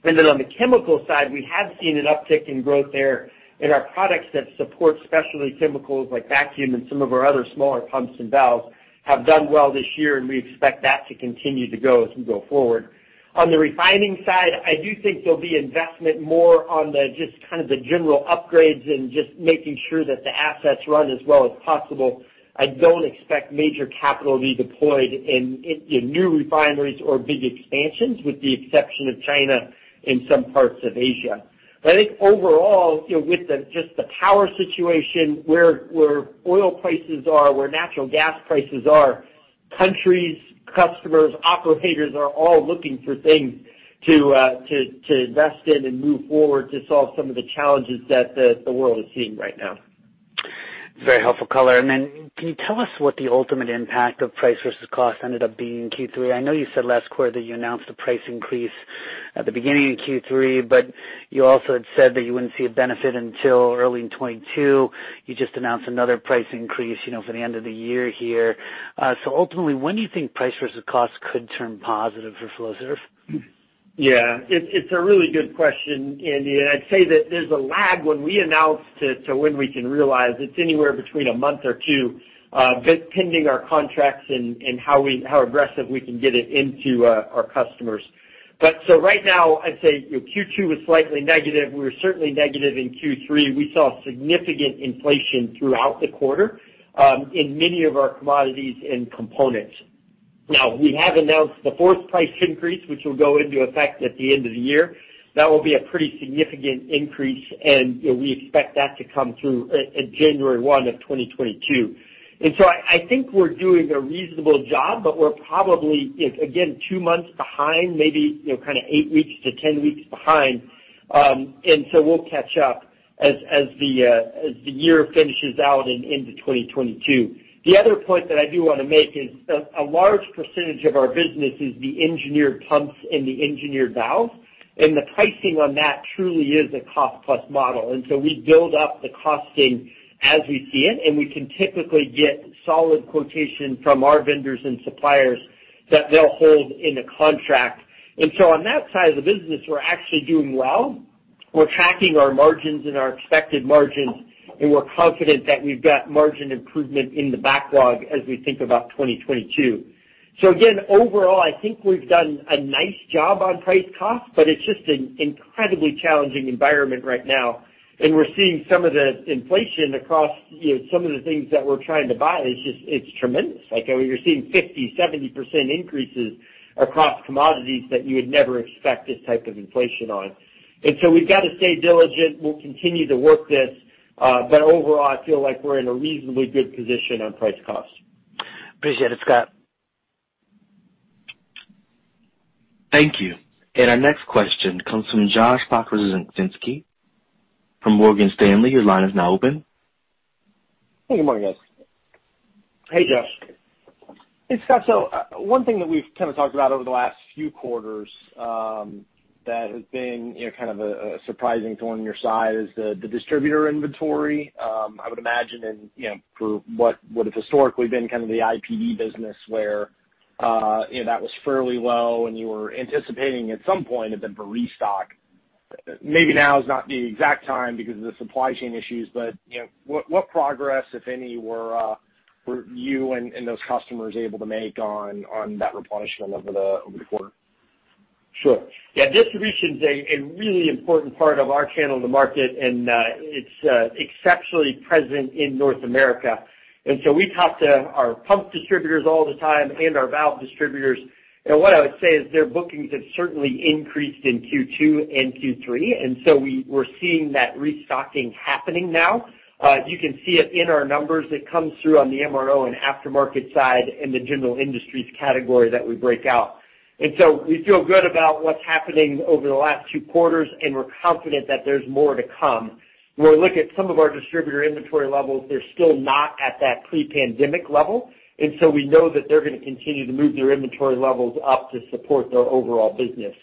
On the chemical side, we have seen an uptick in growth there in our products that support specialty chemicals like vacuum and some of our other smaller pumps and valves have done well this year, and we expect that to continue to grow as we go forward. On the refining side, I do think there'll be investment more on the, just kind of the general upgrades and just making sure that the assets run as well as possible. I don't expect major capital to be deployed in new refineries or big expansions, with the exception of China and some parts of Asia. I think overall, you know, with just the power situation, where oil prices are, where natural gas prices are, countries, customers, operators are all looking for things to invest in and move forward to solve some of the challenges that the world is seeing right now. Very helpful color. Then can you tell us what the ultimate impact of price versus cost ended up being in Q3? I know you said last quarter that you announced a price increase at the beginning of Q3, but you also had said that you wouldn't see a benefit until early in 2022. You just announced another price increase, you know, for the end of the year here. Ultimately, when do you think price versus cost could turn positive for Flowserve? It's a really good question, Andy, and I'd say that there's a lag when we announce to when we can realize it's anywhere between a month or two, pending our contracts and how aggressive we can get it into our customers. Right now, I'd say, you know, Q2 was slightly negative. We were certainly negative in Q3. We saw significant inflation throughout the quarter in many of our commodities and components. Now we have announced the fourth price increase, which will go into effect at the end of the year. That will be a pretty significant increase, and we expect that to come through at January 1, 2022. I think we're doing a reasonable job, but we're probably, again, two months behind, maybe, you know, kind of eight weeks to 10 weeks behind. We'll catch up as the year finishes out and into 2022. The other point that I do wanna make is a large percentage of our business is the engineered pumps and the engineered valves, and the pricing on that truly is a cost-plus model. We build up the costing as we see it, and we can typically get solid quotation from our vendors and suppliers that they'll hold in a contract. On that side of the business, we're actually doing well. We're tracking our margins and our expected margins, and we're confident that we've got margin improvement in the backlog as we think about 2022. Again, overall, I think we've done a nice job on price cost, but it's just an incredibly challenging environment right now. We're seeing some of the inflation across, you know, some of the things that we're trying to buy. It's just, it's tremendous. Like, you're seeing 50%-70% increases across commodities that you would never expect this type of inflation on. We've got to stay diligent. We'll continue to work this, but overall, I feel like we're in a reasonably good position on price cost. Appreciate it, Scott. Thank you. Our next question comes from Josh Pokrzywinski from Morgan Stanley. Your line is now open. Hey, good morning, guys. Hey, Josh. Hey, Scott. One thing that we've kind of talked about over the last few quarters that has been, you know, kind of a surprising thorn in your side is the distributor inventory. I would imagine in, you know, for what has historically been kind of the IPD business where, you know, that was fairly low and you were anticipating at some point it had been for restock. Maybe now is not the exact time because of the supply chain issues, but, you know, what progress, if any, were you and those customers able to make on that replenishment over the quarter? Sure. Yeah, distribution is a really important part of our channel to market, and it's exceptionally present in North America. We talk to our pump distributors all the time and our valve distributors. What I would say is their bookings have certainly increased in Q2 and Q3, and so we're seeing that restocking happening now. You can see it in our numbers. It comes through on the MRO and aftermarket side in the general industries category that we break out. We feel good about what's happening over the last two quarters, and we're confident that there's more to come. When we look at some of our distributor inventory levels, they're still not at that pre-pandemic level. We know that they're gonna continue to move their inventory levels up to support their overall business.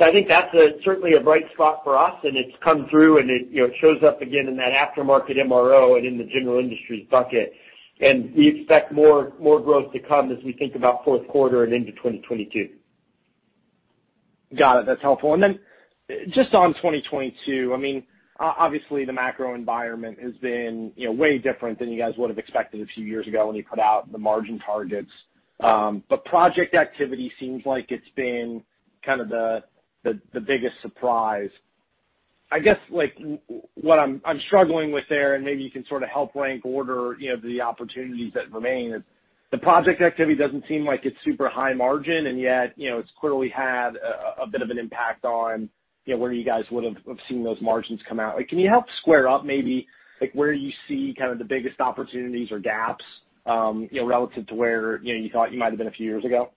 I think that's certainly a bright spot for us. It's come through and it, you know, shows up again in that aftermarket MRO and in the general industries bucket. We expect more growth to come as we think about fourth quarter and into 2022. Got it. That's helpful. Just on 2022, I mean, obviously, the macro environment has been, you know, way different than you guys would have expected a few years ago when you put out the margin targets. Project activity seems like it's been kind of the biggest surprise. I guess, like, what I'm struggling with there, and maybe you can sort of help rank order, you know, the opportunities that remain is the project activity doesn't seem like it's super high margin, and yet, you know, it's clearly had a bit of an impact on, you know, where you guys would have seen those margins come out. Like, can you help square up maybe, like, where you see kind of the biggest opportunities or gaps, you know, relative to where, you know, you thought you might have been a few years ago?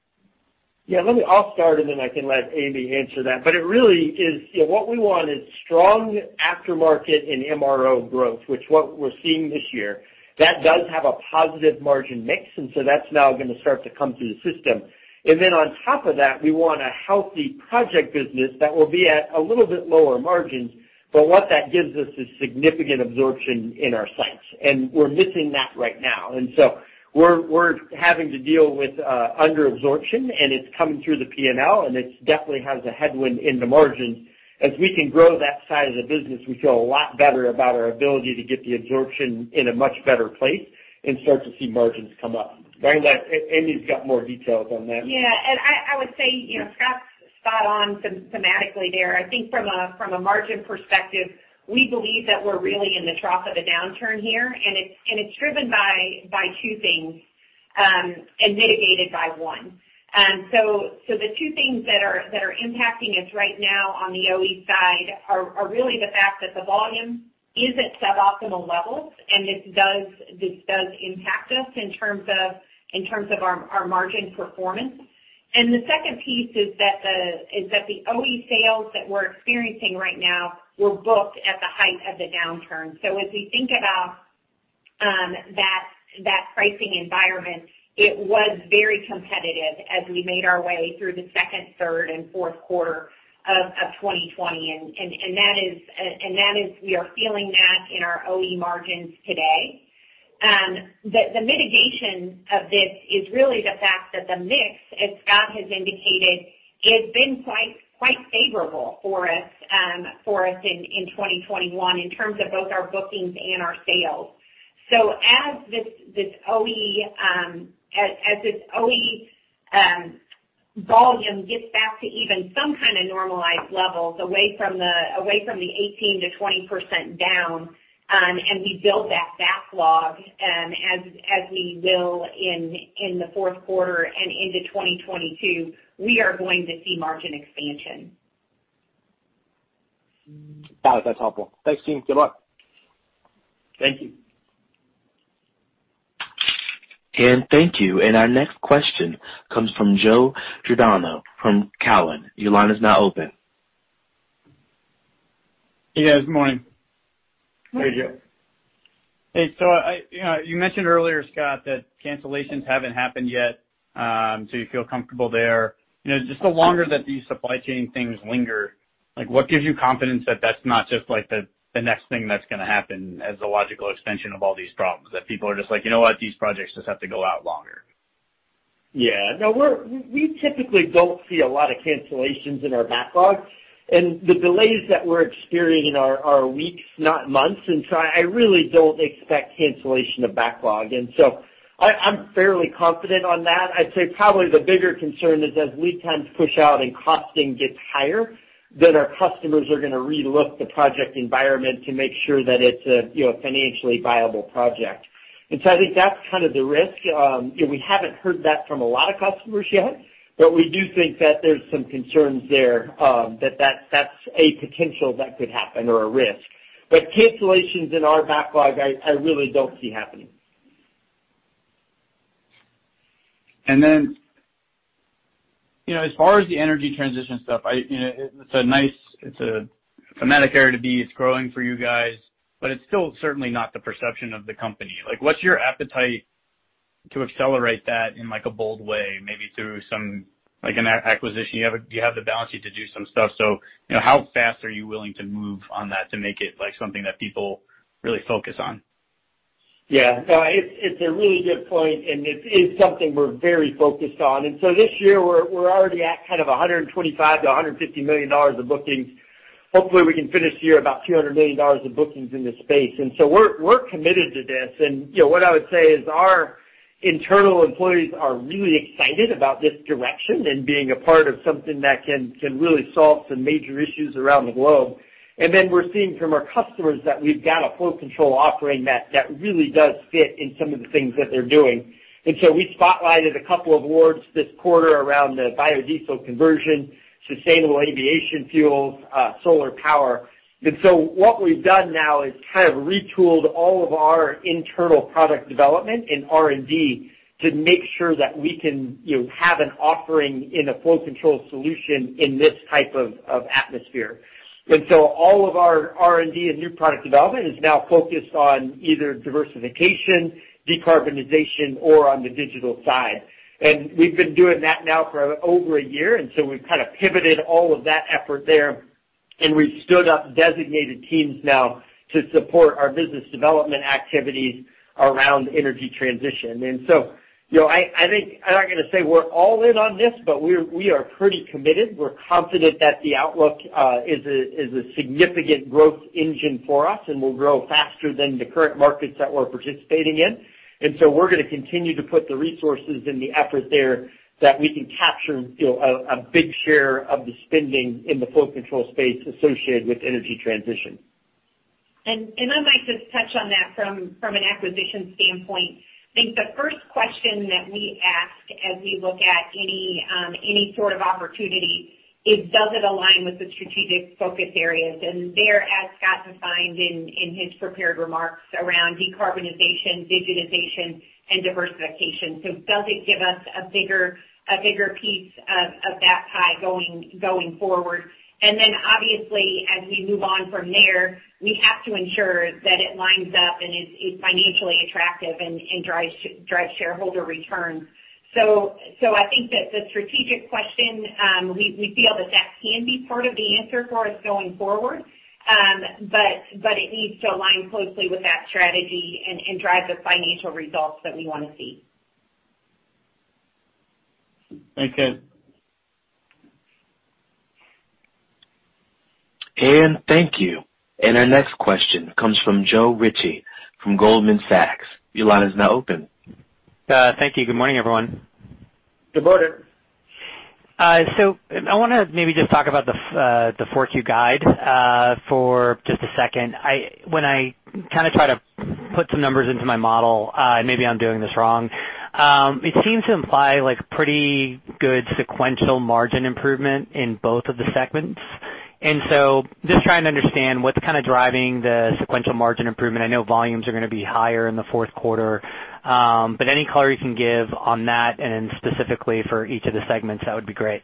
Yeah, let me. I'll start, and then I can let Amy answer that. It really is, you know, what we want is strong aftermarket and MRO growth, which is what we're seeing this year. That does have a positive margin mix, and so that's now gonna start to come through the system. Then on top of that, we want a healthy project business that will be at a little bit lower margins. What that gives us is significant absorption in our sites, and we're missing that right now. We're having to deal with under absorption, and it's coming through the P&L, and it definitely has a headwind in the margins. As we can grow that side of the business, we feel a lot better about our ability to get the absorption in a much better place and start to see margins come up. I'll let Amy's got more details on that. Yeah. I would say, you know, Scott's spot on thematically there. I think from a margin perspective, we believe that we're really in the trough of the downturn here, and it's driven by two things and mitigated by one. The two things that are impacting us right now on the OE side are really the fact that the volume is at suboptimal levels, and this does impact us in terms of our margin performance. The second piece is that the OE sales that we're experiencing right now were booked at the height of the downturn. So as we think about that pricing environment, it was very competitive as we made our way through the second, third, and fourth quarter of 2020. that is we are feeling that in our OE margins today. The mitigation of this is really the fact that the mix, as Scott has indicated, has been quite favorable for us in 2021 in terms of both our bookings and our sales. As this OE volume gets back to even some kind of normalized levels away from the 18%-20% down, and we build that backlog and as we will in the fourth quarter and into 2022, we are going to see margin expansion. Got it. That's helpful. Thanks team. Good luck. Thank you. Thank you. Our next question comes from Joe Giordano from Cowen. Your line is now open. Yeah, good morning. Hey, Joe. Hey. I, you know, you mentioned earlier, Scott, that cancellations haven't happened yet, so you feel comfortable there. You know, just the longer that these supply chain things linger, like what gives you confidence that that's not just like the next thing that's gonna happen as a logical extension of all these problems, that people are just like, you know what? These projects just have to go out longer. Yeah. No, we typically don't see a lot of cancellations in our backlog, and the delays that we're experiencing are weeks, not months. I really don't expect cancellation of backlog. I'm fairly confident on that. I'd say probably the bigger concern is as lead times push out and costing gets higher, that our customers are gonna re-look the project environment to make sure that it's a, you know, financially viable project. I think that's kind of the risk. You know, we haven't heard that from a lot of customers yet, but we do think that there's some concerns there, that that's a potential that could happen or a risk. Cancellations in our backlog, I really don't see happening. You know, as far as the energy transition stuff, I, you know, it's nice for Flowserve to be, it's growing for you guys, but it's still certainly not the perception of the company. Like, what's your appetite to accelerate that in like a bold way, maybe through some like an acquisition? You have the balance sheet to do some stuff, so, you know, how fast are you willing to move on that to make it like something that people really focus on? Yeah. No, it's a really good point, and it is something we're very focused on. This year we're already at kind of $125 million-$150 million of bookings. Hopefully, we can finish the year at about $200 million of bookings in this space. We're committed to this. You know, what I would say is our internal employees are really excited about this direction and being a part of something that can really solve some major issues around the globe. We're seeing from our customers that we've got a flow control offering that really does fit in some of the things that they're doing. We spotlighted a couple of awards this quarter around the biodiesel conversion, sustainable aviation fuels, solar power. What we've done now is kind of retooled all of our internal product development in R&D to make sure that we can, you know, have an offering in a flow control solution in this type of atmosphere. All of our R&D and new product development is now focused on either diversification, decarbonization, or on the digital side. We've been doing that now for over a year, and so we've kind of pivoted all of that effort there, and we've stood up designated teams now to support our business development activities around energy transition. You know, I think I'm not gonna say we're all in on this, but we are pretty committed. We're confident that the outlook is a significant growth engine for us and will grow faster than the current markets that we're participating in. We're gonna continue to put the resources and the effort there that we can capture, you know, a big share of the spending in the flow control space associated with energy transition. I might just touch on that from an acquisition standpoint. I think the first question that we ask as we look at any sort of opportunity is does it align with the strategic focus areas? There, as Scott defined in his prepared remarks around decarbonization, digitization, and diversification. Does it give us a bigger piece of that pie going forward? Then obviously, as we move on from there, we have to ensure that it lines up and is financially attractive and drives shareholder returns. I think that the strategic question, we feel that that can be part of the answer for us going forward. But it needs to align closely with that strategy and drive the financial results that we wanna see. Thank you. Thank you. Our next question comes from Joe Ritchie from Goldman Sachs. Your line is now open. Thank you. Good morning everyone. Good morning. I wanna maybe just talk about the 4Q guide for just a second. When I kinda try to put some numbers into my model, maybe I'm doing this wrong. It seems to imply like pretty good sequential margin improvement in both of the segments. Just trying to understand what's kind of driving the sequential margin improvement. I know volumes are gonna be higher in the fourth quarter. But any color you can give on that, and specifically for each of the segments, that would be great.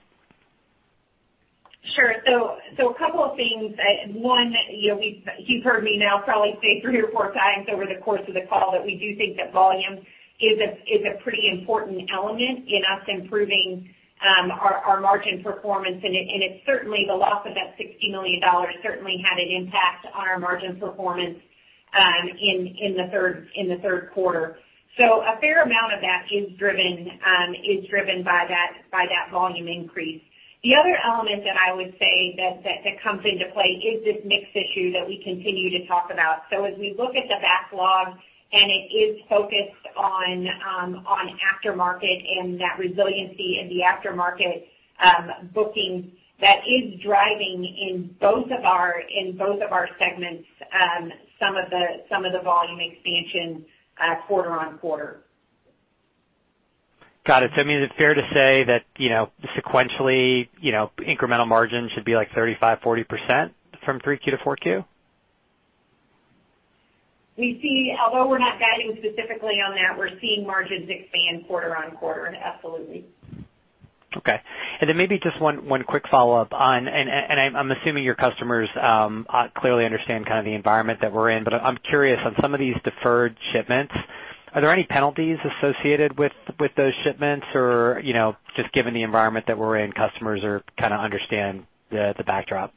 Sure. A couple of things. One, you know, you've heard me now probably say three or 4x over the course of the call that we do think that volume is a pretty important element in us improving our margin performance. It's certainly the loss of that $60 million certainly had an impact on our margin performance in the third quarter. A fair amount of that is driven by that volume increase. The other element that I would say that comes into play is this mix issue that we continue to talk about. As we look at the backlog, and it is focused on aftermarket and that resiliency in the aftermarket, booking, that is driving in both of our segments, some of the volume expansion, quarter-over-quarter. Got it. I mean, is it fair to say that, you know, sequentially, you know, incremental margins should be like 35%-40% from 3Q-4Q? We see, although we're not guiding specifically on that, we're seeing margins expand quarter-over-quarter, absolutely. Okay. Maybe just one quick follow-up. I'm assuming your customers clearly understand kind of the environment that we're in. I'm curious, on some of these deferred shipments, are there any penalties associated with those shipments? You know, just given the environment that we're in, customers kinda understand the backdrop.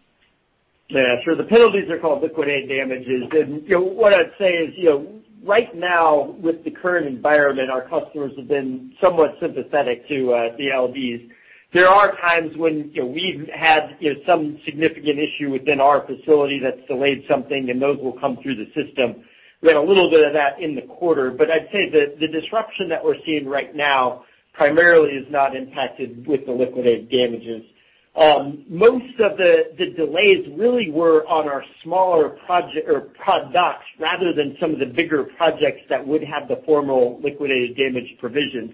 Yeah, sure. The penalties are called liquidated damages. What I'd say is, you know, right now with the current environment, our customers have been somewhat sympathetic to the LDs. There are times when, you know, we've had, you know, some significant issue within our facility that's delayed something, and those will come through the system. We had a little bit of that in the quarter. I'd say that the disruption that we're seeing right now primarily is not impacted with the liquidated damages. Most of the delays really were on our smaller products rather than some of the bigger projects that would have the formal liquidated damage provisions.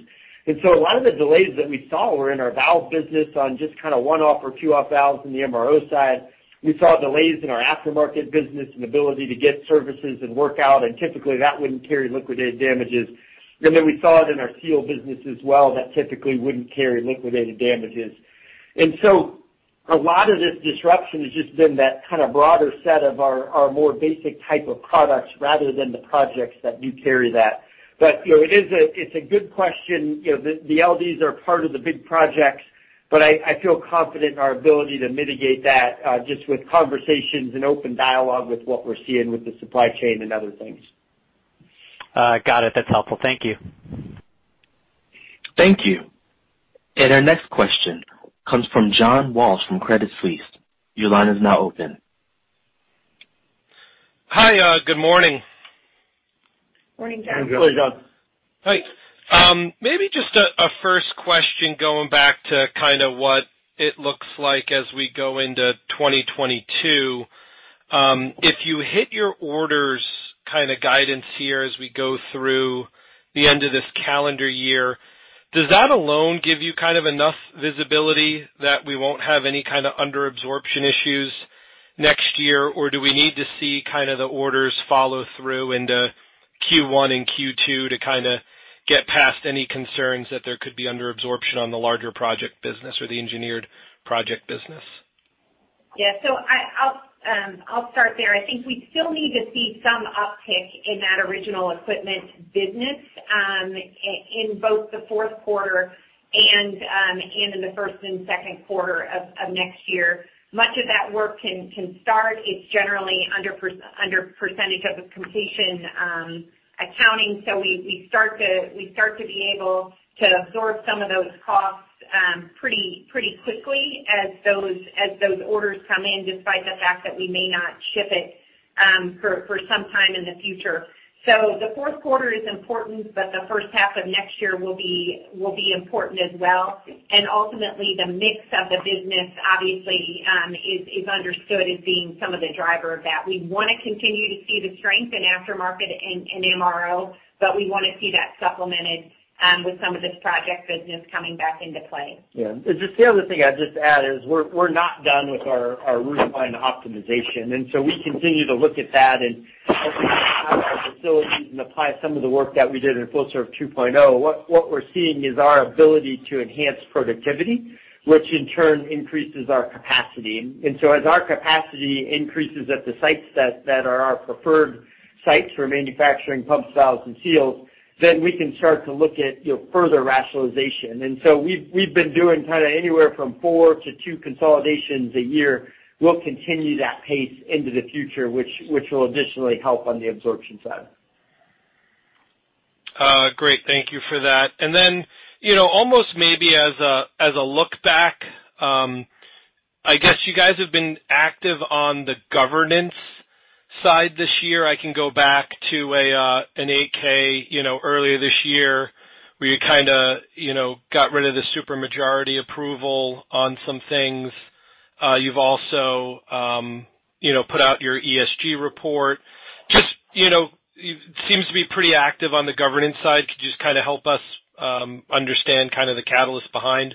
A lot of the delays that we saw were in our valve business on just kind of one-off or two-off valves in the MRO side. We saw delays in our aftermarket business and ability to get services and work out, and typically that wouldn't carry liquidated damages. Then we saw it in our seal business as well that typically wouldn't carry liquidated damages. A lot of this disruption has just been that kind of broader set of our more basic type of products rather than the projects that do carry that. You know, it is a, it's a good question. You know, the LDs are part of the big projects, but I feel confident in our ability to mitigate that, just with conversations and open dialogue with what we're seeing with the supply chain and other things. Got it. That's helpful. Thank you. Thank you. Our next question comes from John Walsh from Credit Suisse. Your line is now open. Hi, good morning. Morning John. Good morning John. Thanks. Maybe just a first question going back to kind of what it looks like as we go into 2022. If you hit your orders kind of guidance here as we go through the end of this calendar year, does that alone give you kind of enough visibility that we won't have any kind of under absorption issues next year? Or do we need to see kind of the orders follow through into Q1 and Q2 to kind of get past any concerns that there could be under absorption on the larger project business or the engineered project business? I'll start there. I think we still need to see some uptick in that original equipment business in both the fourth quarter and in the first and second quarter of next year. Much of that work can start. It's generally under percentage of the completion accounting. We start to be able to absorb some of those costs pretty quickly as those orders come in, despite the fact that we may not ship it for some time in the future. The fourth quarter is important, but the H1 of next year will be important as well. Ultimately, the mix of the business obviously is understood as being some of the driver of that. We wanna continue to see the strength in aftermarket and MRO, but we wanna see that supplemented with some of this project business coming back into play. Yeah. The just the other thing I'd just add is we're not done with our footprint optimization, so we continue to look at that and hopefully have the facilities and apply some of the work that we did in Flowserve 2.0. What we're seeing is our ability to enhance productivity, which in turn increases our capacity. So as our capacity increases at the sites that are our preferred sites for manufacturing pumps, valves, and seals, then we can start to look at you know, further rationalization. So we've been doing kind of anywhere from four to two consolidations a year. We'll continue that pace into the future, which will additionally help on the absorption side. Great. Thank you for that. You know, almost maybe as a look back, I guess you guys have been active on the governance side this year. I can go back to an 8-K, you know, earlier this year where you kinda, you know, got rid of the super majority approval on some things. You've also, you know, put out your ESG report. Just, you know, seems to be pretty active on the governance side. Could you just kinda help us understand kind of the catalyst behind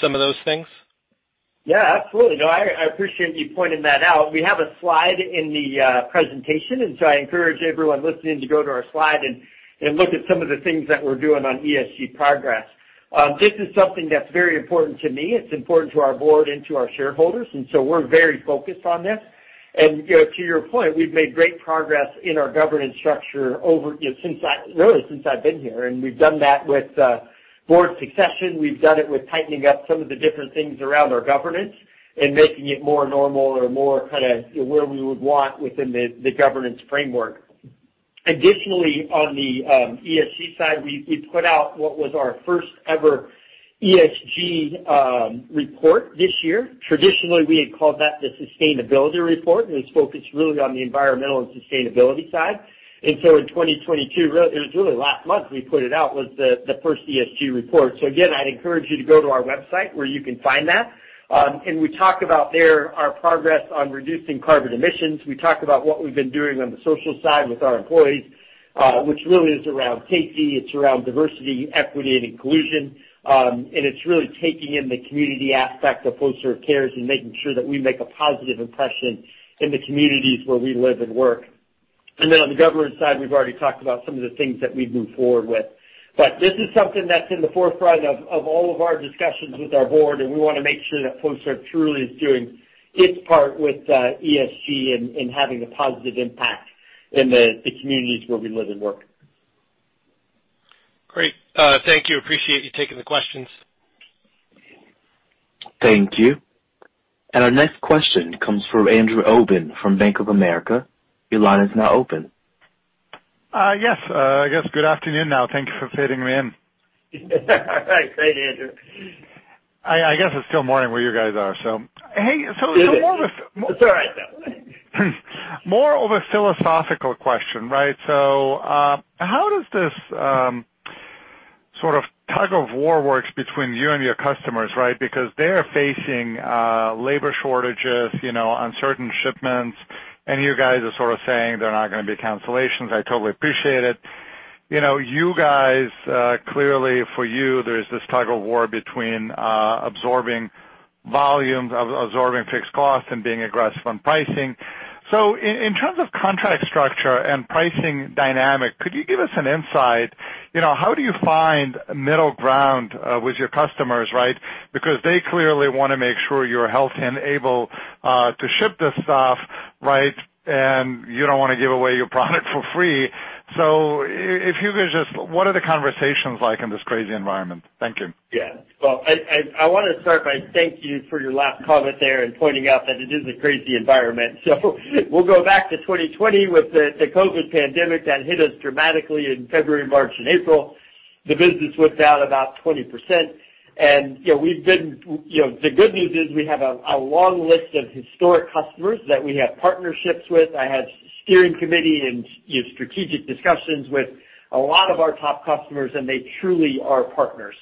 some of those things? Yeah, absolutely. No, I appreciate you pointing that out. We have a slide in the presentation, and so I encourage everyone listening to go to our slide and look at some of the things that we're doing on ESG progress. This is something that's very important to me. It's important to our board and to our shareholders, and so we're very focused on this. You know, to your point, we've made great progress in our governance structure over, you know, since I've been here, and we've done that with board succession. We've done it with tightening up some of the different things around our governance and making it more normal or more kind of where we would want within the governance framework. Additionally, on the ESG side, we put out what was our first ever ESG report this year. Traditionally, we had called that the sustainability report, and it's focused really on the environmental and sustainability side. In 2022, it was really last month we put it out, was the first ESG report. Again, I'd encourage you to go to our website where you can find that. And we talk about there our progress on reducing carbon emissions. We talk about what we've been doing on the social side with our employees, which really is around safety, it's around diversity, equity, and inclusion. It's really taking in the community aspect of Flowserve Cares and making sure that we make a positive impression in the communities where we live and work. On the governance side, we've already talked about some of the things that we've moved forward with. This is something that's in the forefront of all of our discussions with our board, and we wanna make sure that Flowserve truly is doing its part with ESG and having a positive impact in the communities where we live and work. Great. Thank you. Appreciate you taking the questions. Thank you. Our next question comes from Andrew Obin from Bank of America. Your line is now open. Yes. I guess good afternoon now. Thank you for fitting me in. Great, Andrew. I guess it's still morning where you guys are. Hey, so more of a. It's all right, though. More of a philosophical question, right? So, how does this, sort of tug-of-war works between you and your customers, right? Because they're facing, labor shortages, you know, uncertain shipments, and you guys are sort of saying there are not gonna be cancellations. I totally appreciate it. You know, you guys, clearly for you, there's this tug-of-war between, absorbing volumes, absorbing fixed costs, and being aggressive on pricing. So in terms of contract structure and pricing dynamic, could you give us an insight, you know, how do you find middle ground, with your customers, right? Because they clearly wanna make sure you're healthy and able, to ship this stuff, right, and you don't wanna give away your product for free. So if you could just what are the conversations like in this crazy environment? Thank you. Yeah. Well, I wanna start by thanking you for your last comment there and pointing out that it is a crazy environment. We'll go back to 2020 with the COVID pandemic that hit us dramatically in February, March, and April. The business was down about 20%. You know, the good news is we have a long list of historic customers that we have partnerships with. I have steering committee and, you know, strategic discussions with a lot of our top customers, and they truly are partners.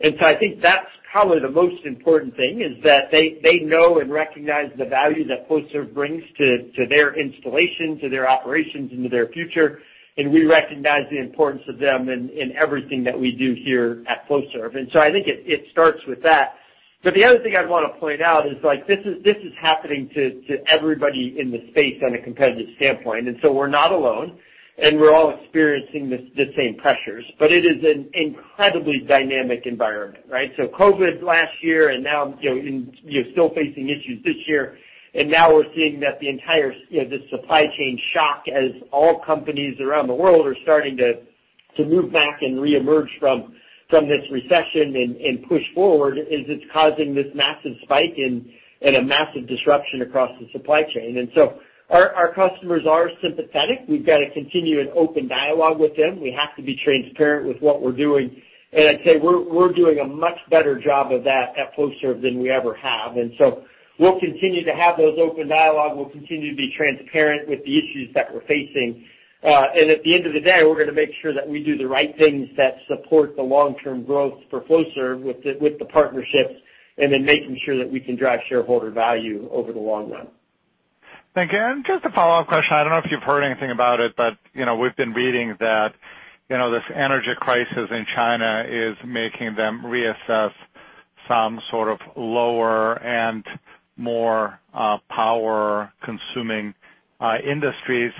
I think that's probably the most important thing, is that they know and recognize the value that Flowserve brings to their installation, to their operations, and to their future. We recognize the importance of them in everything that we do here at Flowserve. I think it starts with that. The other thing I'd wanna point out is like, this is happening to everybody in the space on a competitive standpoint. We're not alone, and we're all experiencing the same pressures. It is an incredibly dynamic environment, right? COVID last year and now, you know, and you're still facing issues this year. We're seeing that the entire supply chain shock as all companies around the world are starting to move back and reemerge from this recession and push forward is causing this massive spike and a massive disruption across the supply chain. Our customers are sympathetic. We've got to continue an open dialogue with them. We have to be transparent with what we're doing. I'd say we're doing a much better job of that at Flowserve than we ever have. We'll continue to have those open dialogue. We'll continue to be transparent with the issues that we're facing. At the end of the day, we're gonna make sure that we do the right things that support the long-term growth for Flowserve with the partnerships, and then making sure that we can drive shareholder value over the long run. Thank you. Just a follow-up question. I don't know if you've heard anything about it, but, you know, we've been reading that, you know, this energy crisis in China is making them reassess some sort of lower and more power-consuming industries.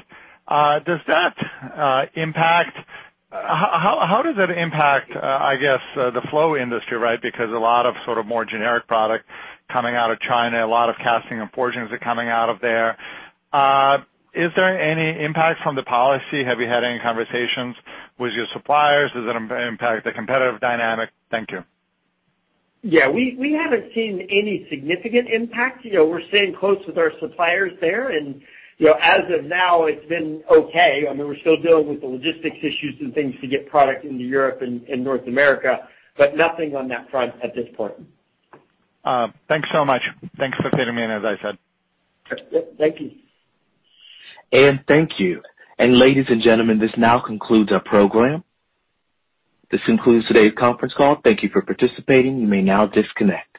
Does that impact how does that impact, I guess, the flow industry, right? Because a lot of sort of more generic product coming out of China, a lot of casting and forging are coming out of there. Is there any impact from the policy? Have you had any conversations with your suppliers? Does it impact the competitive dynamic? Thank you. Yeah. We haven't seen any significant impact. You know, we're staying close with our suppliers there. You know, as of now, it's been okay. I mean, we're still dealing with the logistics issues and things to get product into Europe and North America, but nothing on that front at this point. Thanks so much. Thanks for fitting me in, as I said. Thank you. Thank you. Ladies and gentlemen, this now concludes our program. This concludes today's conference call. Thank you for participating. You may now disconnect.